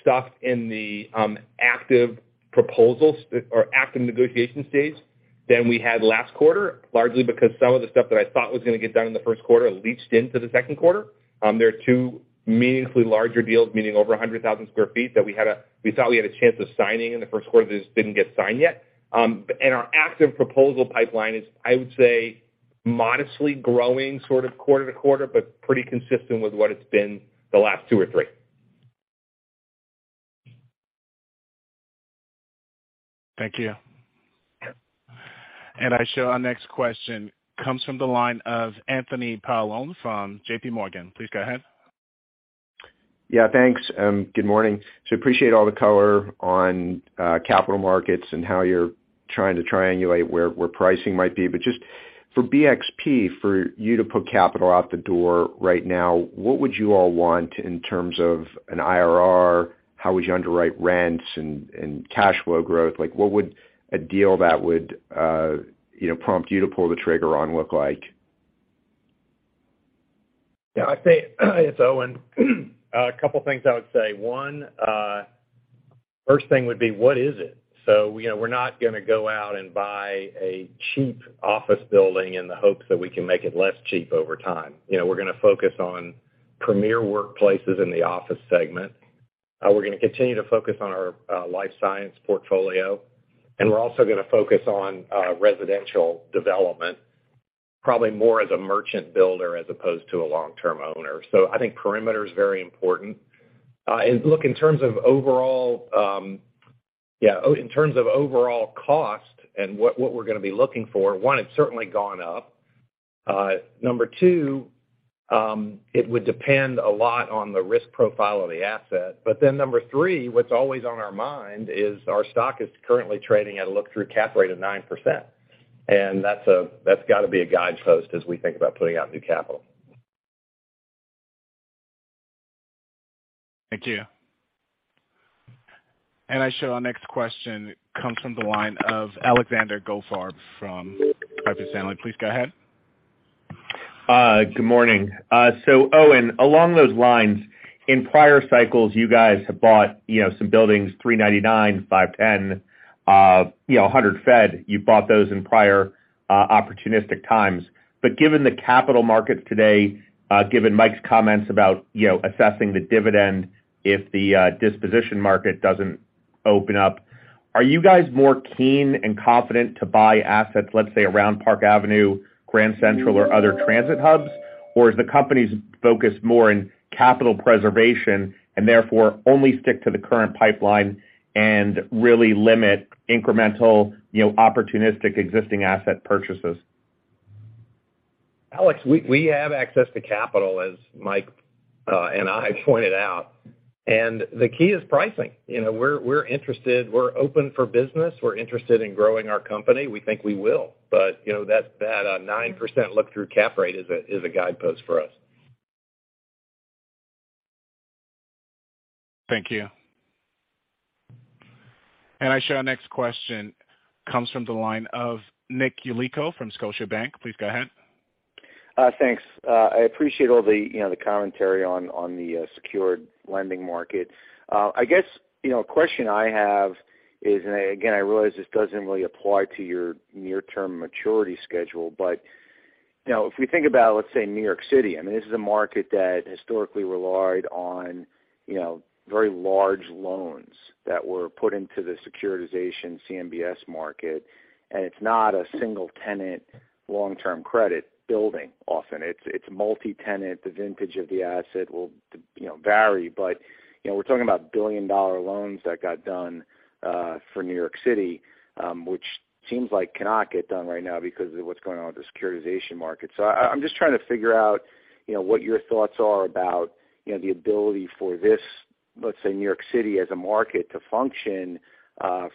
stuff in the active proposals or active negotiation stage than we had last quarter, largely because some of the stuff that I thought was gonna get done in the first quarter leached into the second quarter. There are two meaningfully larger deals, meaning over 100,000 sq ft, that we thought we had a chance of signing in the first quarter that just didn't get signed yet. Our active proposal pipeline is, I would say, modestly growing sort of quarter to quarter, but pretty consistent with what it's been the last two or three. Thank you. Yeah. I show our next question comes from the line of Anthony Paolone from JPMorgan. Please go ahead. Yeah, thanks. Good morning. Appreciate all the color on capital markets and how you're trying to triangulate where pricing might be. Just for BXP, for you to put capital out the door right now, what would you all want in terms of an IRR? How would you underwrite rents and cash flow growth? Like, what would a deal that would, you know, prompt you to pull the trigger on look like? Yeah, I'd say it's Owen. A couple things I would say. One, first thing would be what is it? You know, we're not gonna go out and buy a cheap office building in the hopes that we can make it less cheap over time. You know, we're gonna focus on premier workplaces in the office segment. We're gonna continue to focus on our life science portfolio, and we're also gonna focus on residential development, probably more as a merchant builder as opposed to a long-term owner. I think perimeter is very important. And look, in terms of overall cost and what we're gonna be looking for, one, it's certainly gone up. Number two, it would depend a lot on the risk profile of the asset. Number three, what's always on our mind is our stock is currently trading at a look-through cap rate of 9%, and that's got to be a guidepost as we think about putting out new capital. Thank you. I show our next question comes from the line of Alexander Goldfarb from Piper Sandler. Please go ahead. Good morning. Owen, along those lines, in prior cycles, you guys have bought, you know, some buildings, 399, 510 Madison, you know, 100 Federal Street. You bought those in prior opportunistic times. Given the capital markets today, given Mike's comments about, you know, assessing the dividend if the disposition market doesn't open up, are you guys more keen and confident to buy assets, let's say, around Park Avenue, Grand Central, or other transit hubs? Is the company's focus more in capital preservation and therefore only stick to the current pipeline and really limit incremental, opportunistic existing asset purchases? Alex, we have access to capital, as Mike and I pointed out. The key is pricing. You know, we're interested. We're open for business. We're interested in growing our company. We think we will. You know, that, 9% look-through cap rate is a guidepost for us. Thank you. I show our next question comes from the line of Nick Yulico from Scotiabank. Please go ahead. Thanks. I appreciate all the, you know, the commentary on the secured lending market. I guess, you know, a question I have is, and again, I realize this doesn't really apply to your near-term maturity schedule, but, you know, if we think about, let's say, New York City, I mean, this is a market that historically relied on, you know, very large loans that were put into the securitization CMBS market, and it's not a single tenant long-term credit building often. It's multi-tenant. The vintage of the asset will, you know, vary. You know, we're talking about $1 billion loans that got done for New York City, which seems like cannot get done right now because of what's going on with the securitization market. I'm just trying to figure out, you know, what your thoughts are about, you know, the ability for this, let's say, New York City as a market to function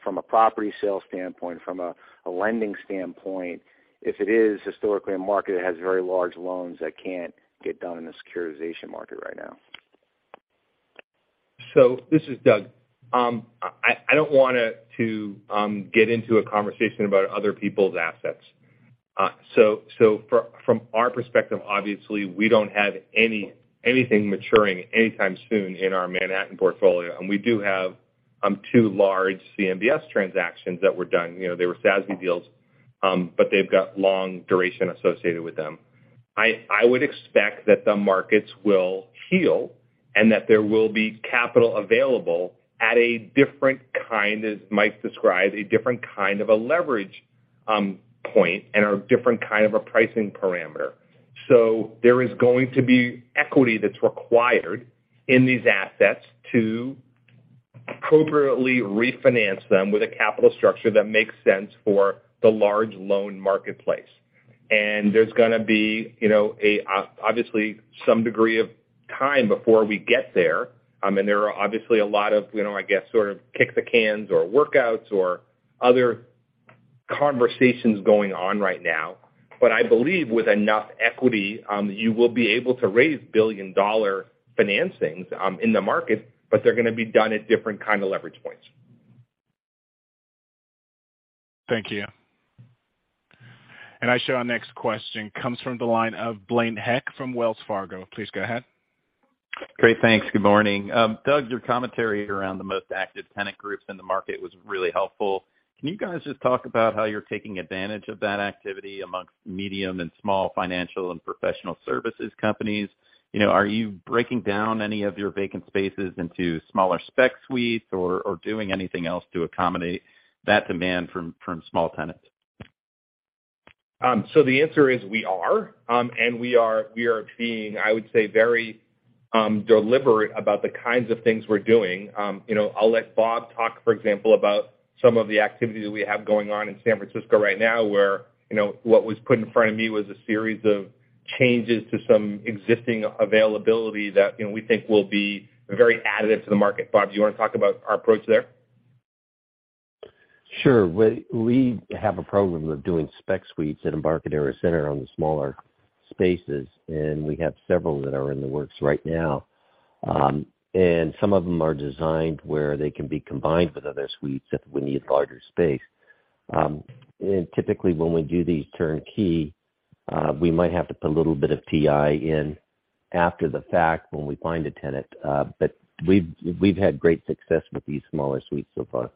from a property sales standpoint, from a lending standpoint, if it is historically a market that has very large loans that can't get done in the securitization market right now. This is Doug. I don't want to get into a conversation about other people's assets. From our perspective, obviously, we don't have anything maturing anytime soon in our Manhattan portfolio. We do have two large CMBS transactions that were done. You know, they were SASB deals, but they've got long duration associated with them. I would expect that the markets will heal and that there will be capital available at a different kind, as Mike described, a different kind of a leverage point and a different kind of a pricing parameter. There is going to be equity that's required in these assets to appropriately refinance them with a capital structure that makes sense for the large loan marketplace. There's gonna be, you know, obviously some degree of time before we get there. I mean, there are obviously a lot of, you know, I guess, sort of kick the cans or workouts or other conversations going on right now. I believe with enough equity, you will be able to raise billion-dollar financings in the market. They're gonna be done at different kind of leverage points. Thank you. I show our next question comes from the line of Blaine Heck from Wells Fargo. Please go ahead. Great. Thanks. Good morning. Doug, your commentary around the most active tenant groups in the market was really helpful. Can you guys just talk about how you're taking advantage of that activity amongst medium and small financial and professional services companies? You know, are you breaking down any of your vacant spaces into smaller spec suites or doing anything else to accommodate that demand from small tenants? The answer is we are. We are being, I would say, very deliberate about the kinds of things we're doing. You know, I'll let Bob talk, for example, about some of the activity that we have going on in San Francisco right now, where, you know, what was put in front of me was a series of changes to some existing availability that, you know, we think will be very additive to the market. Bob, do you wanna talk about our approach there? Sure. We have a program of doing spec suites at Embarcadero Center on the smaller spaces, we have several that are in the works right now. Some of them are designed where they can be combined with other suites if we need larger space. Typically when we do these turnkey, we might have to put a little bit of TI in after the fact when we find a tenant. We've had great success with these smaller suites so far.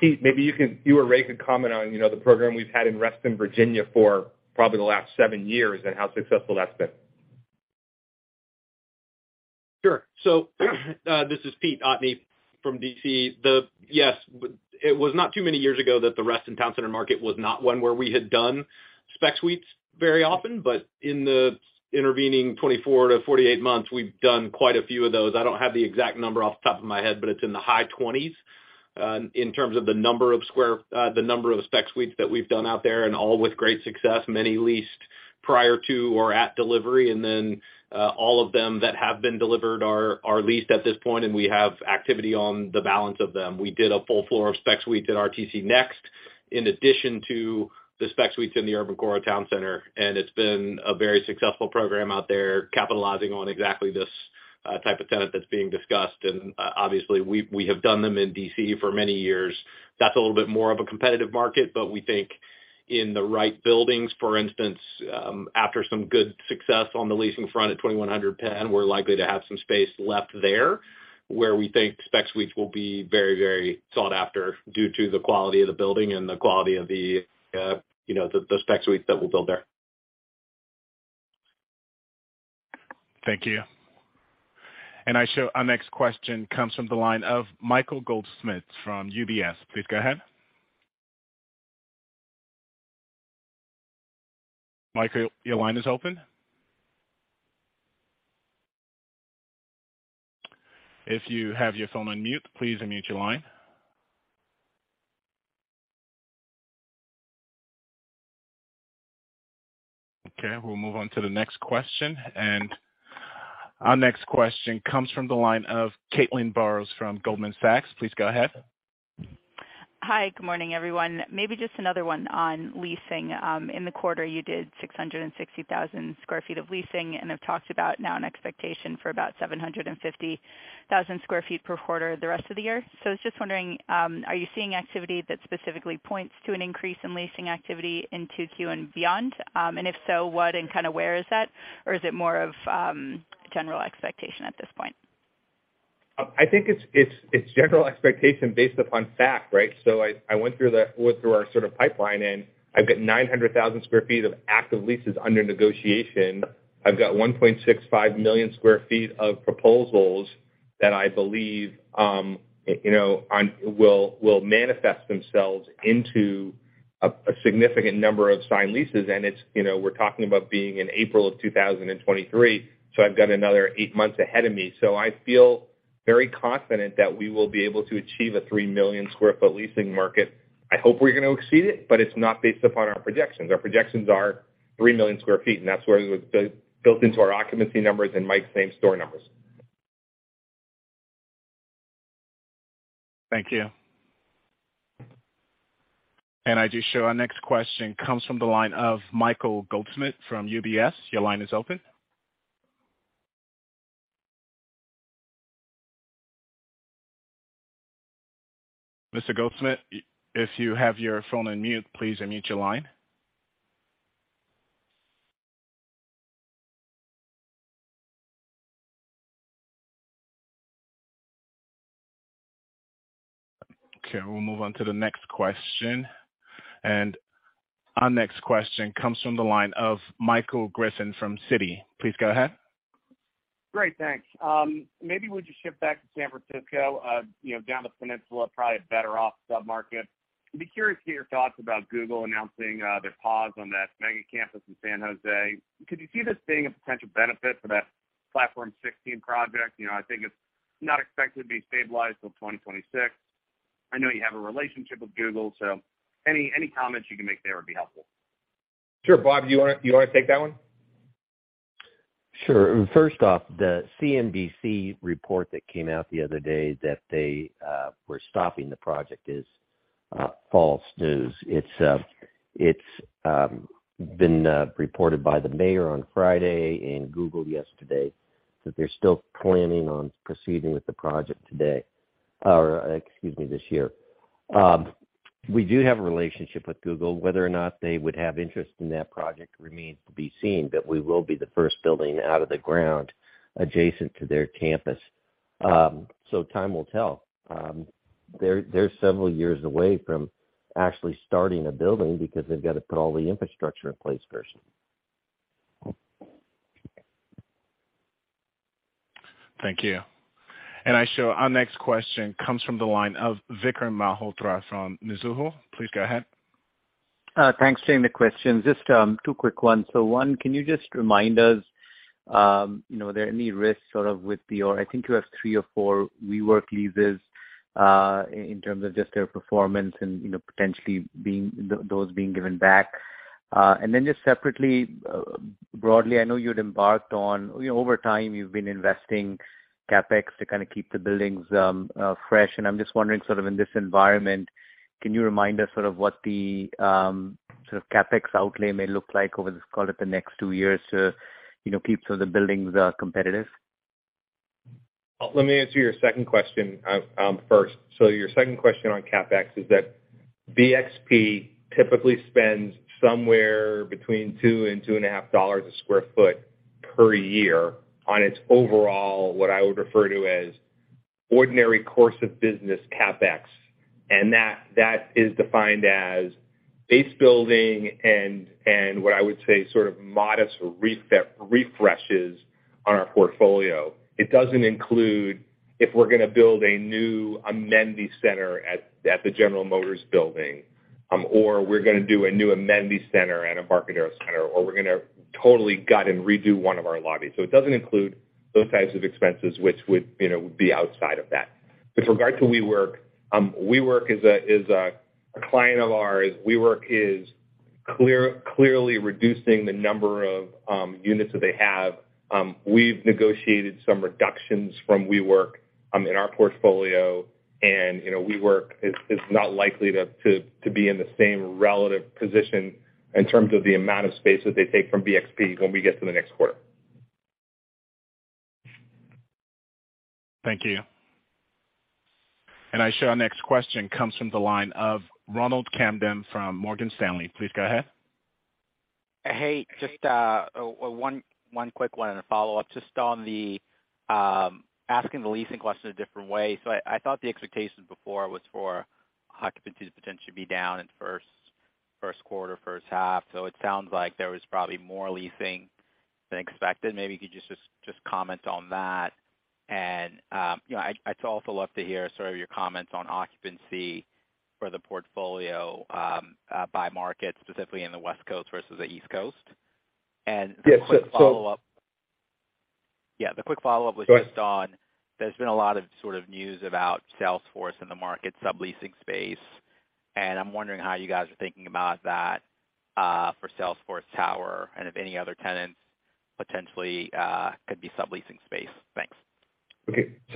Pete, maybe you or Ray can comment on, you know, the program we've had in Reston, Virginia, for probably the last 7 years, and how successful that's been. Sure. This is Peter Otteni from D.C. Yes, it was not too many years ago that the Reston Town Center market was not one where we had done spec suites very often. In the intervening 24 to 48 months, we've done quite a few of those. I don't have the exact number off the top of my head, but it's in the high 20s in terms of the number of spec suites that we've done out there, and all with great success, many leased prior to or at delivery. All of them that have been delivered are leased at this point, and we have activity on the balance of them. We did a full floor of spec suites at RTC Next, in addition to the spec suites in the Reston Town Center. It's been a very successful program out there, capitalizing on exactly this type of tenant that's being discussed. Obviously, we have done them in D.C. for many years. That's a little bit more of a competitive market, but we think in the right buildings, for instance, after some good success on the leasing front at 2100 Penn, we're likely to have some space left there, where we think spec suites will be very, very sought after due to the quality of the building and the quality of the spec suite that we'll build there. Thank you. I show our next question comes from the line of Michael Goldsmith from UBS. Please go ahead. Michael, your line is open. If you have your phone on mute, please unmute your line. Okay, we'll move on to the next question. Our next question comes from the line of Caitlin Burrows from Goldman Sachs. Please go ahead. Hi. Good morning, everyone. Maybe just another one on leasing. In the quarter, you did 660,000 sq ft of leasing and have talked about now an expectation for about 750,000 sq ft per quarter the rest of the year. I was just wondering, are you seeing activity that specifically points to an increase in leasing activity into Q and beyond? If so, what and kind of where is that? Or is it more of, general expectation at this point? I think it's general expectation based upon fact, right? I went through our sort of pipeline, and I've got 900,000 sq ft of active leases under negotiation. I've got 1.65 million sq ft of proposals that I believe, you know, will manifest themselves into a significant number of signed leases. It's, you know, we're talking about being in April of 2023, I've got another eight months ahead of me. I feel very confident that we will be able to achieve a 3 million sq ft leasing market. I hope we're gonna exceed it, but it's not based upon our projections. Our projections are 3 million sq ft, that's where it was built into our occupancy numbers and Mike's same story numbers. Thank you. I do show our next question comes from the line of Michael Goldsmith from UBS. Your line is open. Mr. Goldsmith, if you have your phone on mute, please unmute your line. Okay, we'll move on to the next question. Our next question comes from the line of Michael Griffin from Citi. Please go ahead. Great, thanks. Maybe we just shift back to San Francisco, down the peninsula, probably a better off sub-market. I'd be curious to hear your thoughts about Google announcing their pause on that mega campus in San Jose. Could you see this being a potential benefit for that Platform 16 project? You know, I think it's not expected to be stabilized till 2026. I know you have a relationship with Google, any comments you can make there would be helpful. Sure. Bob, do you wanna take that one? Sure. First off, the CNBC report that came out the other day that they were stopping the project is false news. It's been reported by the mayor on Friday and Google yesterday that they're still planning on proceeding with the project today, or excuse me, this year. We do have a relationship with Google. Whether or not they would have interest in that project remains to be seen, we will be the first building out of the ground adjacent to their campus. Time will tell. They're several years away from actually starting a building because they've got to put all the infrastructure in place first. Thank you. I show our next question comes from the line of Vikram Malhotra from Mizuho. Please go ahead. Thanks. Same question. Just two quick ones. One, can you just remind us, you know, are there any risks sort of with the or I think you have three or four WeWork leases in terms of just their performance and, you know, potentially being those being given back? Then just separately, broadly, I know you'd embarked on, you know, over time, you've been investing CapEx to kind of keep the buildings fresh. I'm just wondering, sort of in this environment, can you remind us sort of what the sort of CapEx outlay may look like over this, call it, the next two years to, you know, keep so the buildings are competitive? Let me answer your second question first. Your second question on CapEx is that BXP typically spends somewhere between $2 and $2.50 sq ft per year on its overall, what I would refer to as ordinary course of business CapEx. That is defined as base building and what I would say sort of modest refreshes on our portfolio. It doesn't include if we're gonna build a new amenity center at the General Motors building, or we're gonna do a new amenity center at Embarcadero Center, or we're gonna totally gut and redo one of our lobbies. It doesn't include those types of expenses which would be outside of that. With regard to WeWork is a client of ours. WeWork is clearly reducing the number of units that they have. We've negotiated some reductions from WeWork in our portfolio, you know, WeWork is not likely to be in the same relative position in terms of the amount of space that they take from BXP when we get to the next quarter. Thank you. I show our next question comes from the line of Ronald Kamdem from Morgan Stanley. Please go ahead. Hey, just one quick one and a follow-up. Just on the asking the leasing question a different way. I thought the expectation before was for occupancies potentially to be down in first quarter, first half. It sounds like there was probably more leasing than expected. Maybe you could just comment on that. You know, I'd also love to hear sort of your comments on occupancy for the portfolio by market, specifically in the West Coast versus the East Coast. Yeah. The quick follow-up was just on, there's been a lot of sort of news about Salesforce in the market subleasing space. I'm wondering how you guys are thinking about that for Salesforce Tower and if any other tenants potentially could be subleasing space. Thanks.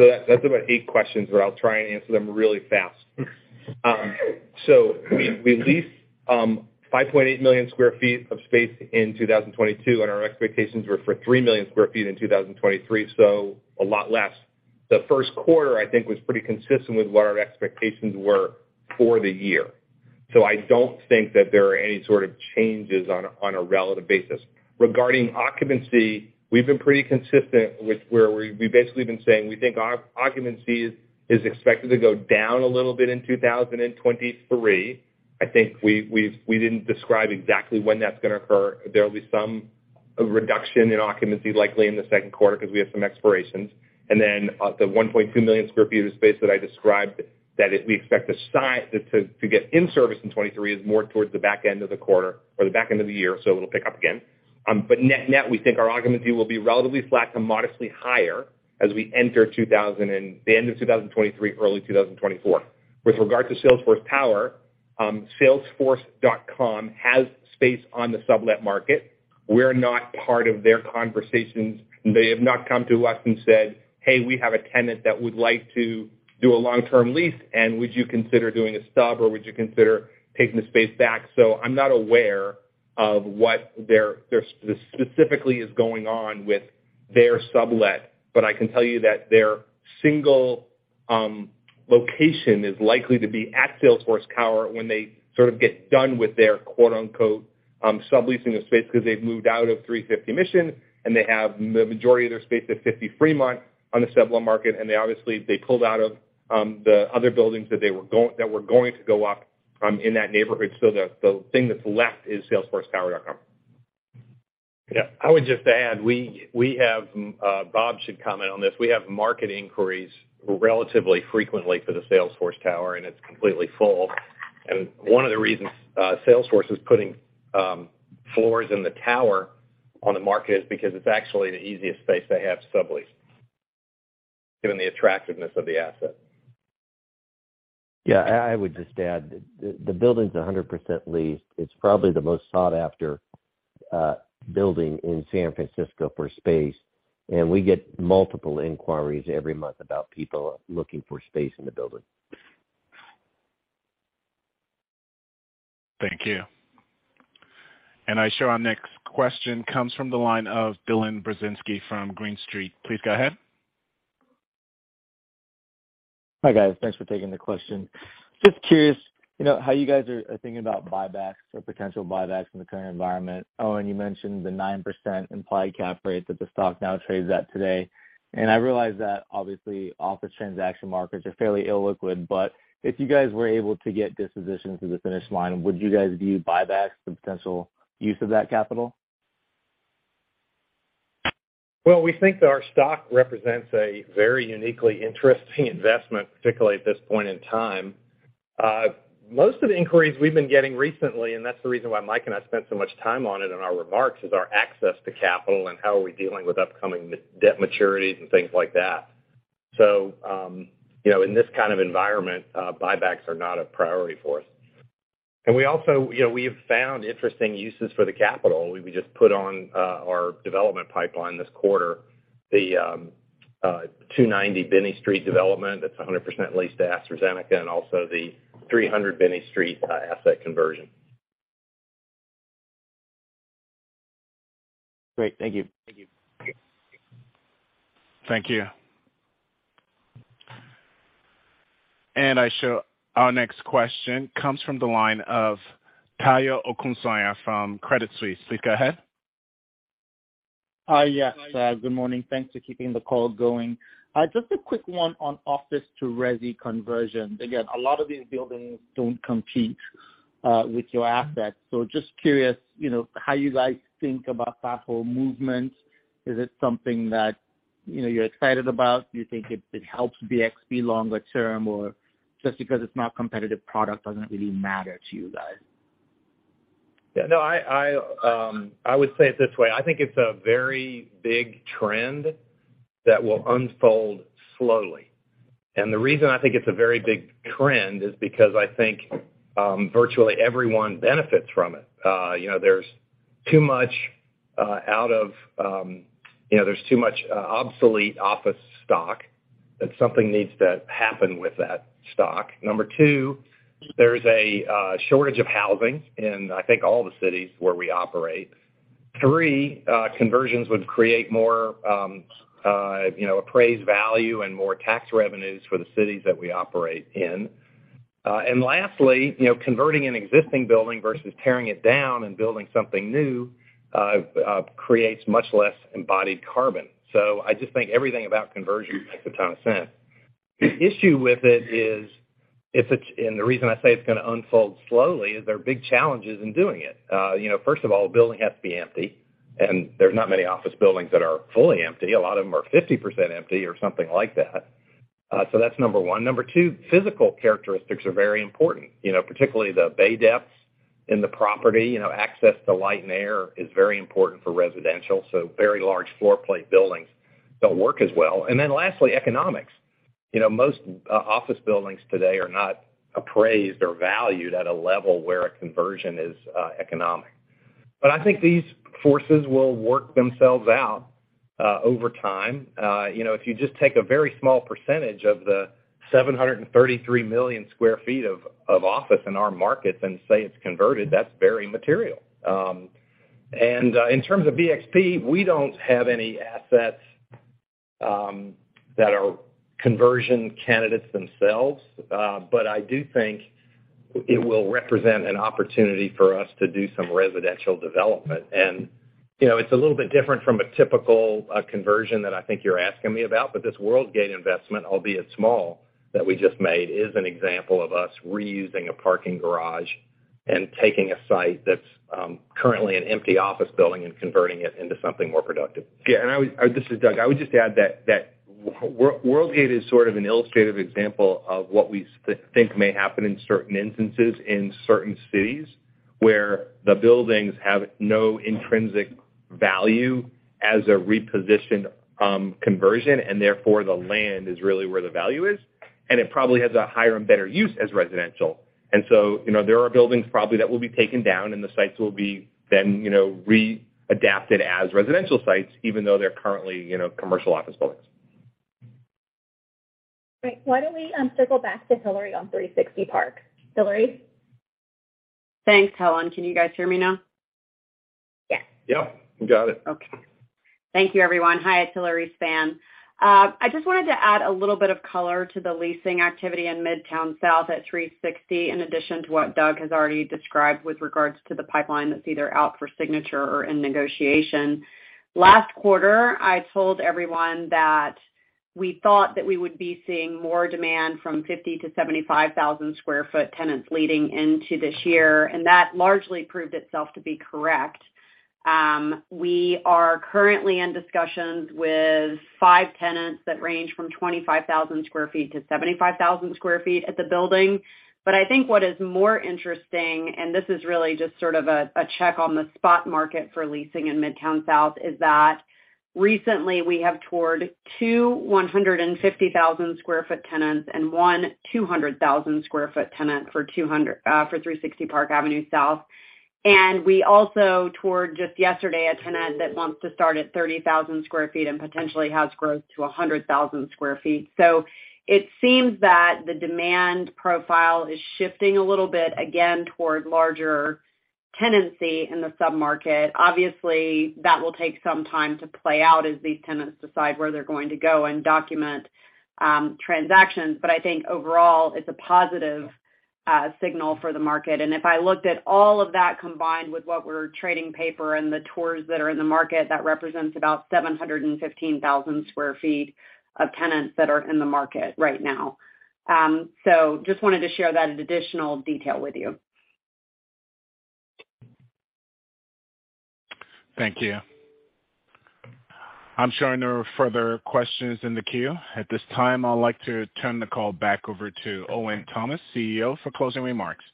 That's about eight questions, but I'll try and answer them really fast. We leased 5.8 million sq ft of space in 2022, and our expectations were for 3 million sq ft in 2023, so a lot less. The first quarter, I think, was pretty consistent with what our expectations were for the year. I don't think that there are any sort of changes on a relative basis. Regarding occupancy, we've been pretty consistent with where we've basically been saying we think our occupancy is expected to go down a little bit in 2023. I think we didn't describe exactly when that's gonna occur. There'll be some reduction in occupancy likely in the second quarter because we have some expirations. Then, the 1.2 million sq ft of space that I described that we expect to get in service in 2023 is more towards the back end of the quarter or the back end of the year, so it'll pick up again. Net, we think our occupancy will be relatively flat to modestly higher as we enter the end of 2023, early 2024. With regard to Salesforce Tower, salesforce.com has space on the sublet market. We're not part of their conversations. They have not come to us and said, "Hey, we have a tenant that would like to do a long-term lease, and would you consider doing a sub, or would you consider taking the space back?" I'm not aware of what they're specifically is going on with their sublet, but I can tell you that their single location is likely to be at Salesforce Tower when they sort of get done with their quote-unquote subleasing the space because they've moved out of 350 Mission, and they have the majority of their space at 50 Fremont on the sublet market, and they obviously, they pulled out of the other buildings that were going to go up in that neighborhood. The thing that's left is salesforcetower.com Yeah. I would just add, we have, Bob should comment on this. We have market inquiries relatively frequently for the Salesforce tower. It's completely full. One of the reasons, Salesforce is putting, floors in the tower on the market is because it's actually the easiest space to have subleased given the attractiveness of the asset. Yeah. I would just add, the building's 100% leased. It's probably the most sought after building in San Francisco for space. We get multiple inquiries every month about people looking for space in the building. Thank you. I show our next question comes from the line of Dylan Burzinski from Green Street. Please go ahead. Hi, guys. Thanks for taking the question. Just curious, how you guys are thinking about buybacks or potential buybacks in the current environment. Owen, you mentioned the 9% implied cap rate that the stock now trades at today. I realize that obviously office transaction markets are fairly illiquid, if you guys were able to get dispositions to the finish line, would you guys view buybacks the potential use of that capital? Well, we think that our stock represents a very uniquely interesting investment, particularly at this point in time. Most of the inquiries we've been getting recently, and that's the reason why Mike LaBelle and I spent so much time on it in our remarks, is our access to capital and how are we dealing with upcoming debt maturities and things like that. You know, in this kind of environment, buybacks are not a priority for us. We also, you know, we have found interesting uses for the capital. We just put on our development pipeline this quarter the 290 Binney Street development that's 100% leased to AstraZeneca, and also the 300 Binney Street asset conversion. Great. Thank you. Thank you. I show our next question comes from the line of Tayo Okusanya from Credit Suisse. Please go ahead. Hi. Yes. Good morning. Thanks for keeping the call going. Just a quick one on office to resi conversion. Again, a lot of these buildings don't compete with your assets. Just curious, you know, how you guys think about that whole movement. Is it something that, you know, you're excited about? Do you think it helps BXP longer term? Just because it's not competitive product doesn't really matter to you guys. Yeah, no, I would say it this way, I think it's a very big trend that will unfold slowly. The reason I think it's a very big trend is because I think, virtually everyone benefits from it. You know, there's too much, out of, you know, there's too much obsolete office stock that something needs to happen with that stock. Number two, there's a shortage of housing in, I think, all the cities where we operate. Three, conversions would create more, you know, appraised value and more tax revenues for the cities that we operate in. Lastly, you know, converting an existing building versus tearing it down and building something new, creates much less embodied carbon. I just think everything about conversion makes a ton of sense. The reason I say it's gonna unfold slowly is there are big challenges in doing it. You know, first of all, building has to be empty, and there's not many office buildings that are fully empty. A lot of them are 50% empty or something like that. That's number one. Number two, physical characteristics are very important. You know, particularly the bay depths in the property. You know, access to light and air is very important for residential, so very large floor plate buildings don't work as well. Lastly, economics. You know, most office buildings today are not appraised or valued at a level where a conversion is economic. I think these forces will work themselves out, over time. If you just take a very small percentage of the 733 million sq ft of office in our markets and say it's converted, that's very material. In terms of BXP, we don't have any assets that are conversion candidates themselves. I do think it will represent an opportunity for us to do some residential development. you know, it's a little bit different from a typical conversion that I think you're asking me about. This World Gate investment, albeit small, that we just made, is an example of us reusing a parking garage and taking a site that's currently an empty office building and converting it into something more productive. This is Doug. I would just add that World Gate is sort of an illustrative example of what we think may happen in certain instances in certain cities, where the buildings have no intrinsic value as a repositioned, conversion, and therefore the land is really where the value is, and it probably has a higher and better use as residential. You know, there are buildings probably that will be taken down, and the sites will be then, you know, readapted as residential sites, even though they're currently commercial office buildings. Great. Why don't we circle back to Hilary on 360 Park. Hilary? Thanks, Helen. Can you guys hear me now? Yes. Yeah, go ahead. Thank you, everyone. Hi, it's Hilary Spann. I just wanted to add a little bit of color to the leasing activity in Midtown South at 360, in addition to what Doug has already described with regards to the pipeline that's either out for signature or in negotiation. Last quarter, I told everyone that we thought that we would be seeing more demand from 50,000 to 75,000 square foot tenants leading into this year, and that largely proved itself to be correct. We are currently in discussions with five tenants that range from 25,000 square feet to 75,000 square feet at the building. I think what is more interesting, and this is really just sort of a check on the spot market for leasing in Midtown South, is that recently we have toured 2 150,000 sq ft tenants and 1 200,000 sq ft tenant for 360 Park Avenue South. We also toured, just yesterday, a tenant that wants to start at 30,000 sq ft and potentially has growth to 100,000 sq ft. It seems that the demand profile is shifting a little bit again toward larger tenancy in the sub-market. Obviously, that will take some time to play out as these tenants decide where they're going to go and document transactions. I think overall it's a positive signal for the market. If I looked at all of that combined with what we're trading paper and the tours that are in the market, that represents about 715,000 square feet of tenants that are in the market right now. Just wanted to share that additional detail with you. Thank you. I'm showing there are further questions in the queue. At this time, I'd like to turn the call back over to Owen Thomas, CEO, for closing remarks.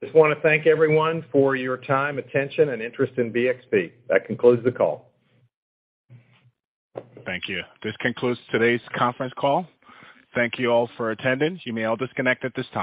Just wanna thank everyone for your time, attention and interest in BXP. That concludes the call. Thank you. This concludes today's conference call. Thank you all for attending. You may all disconnect at this time.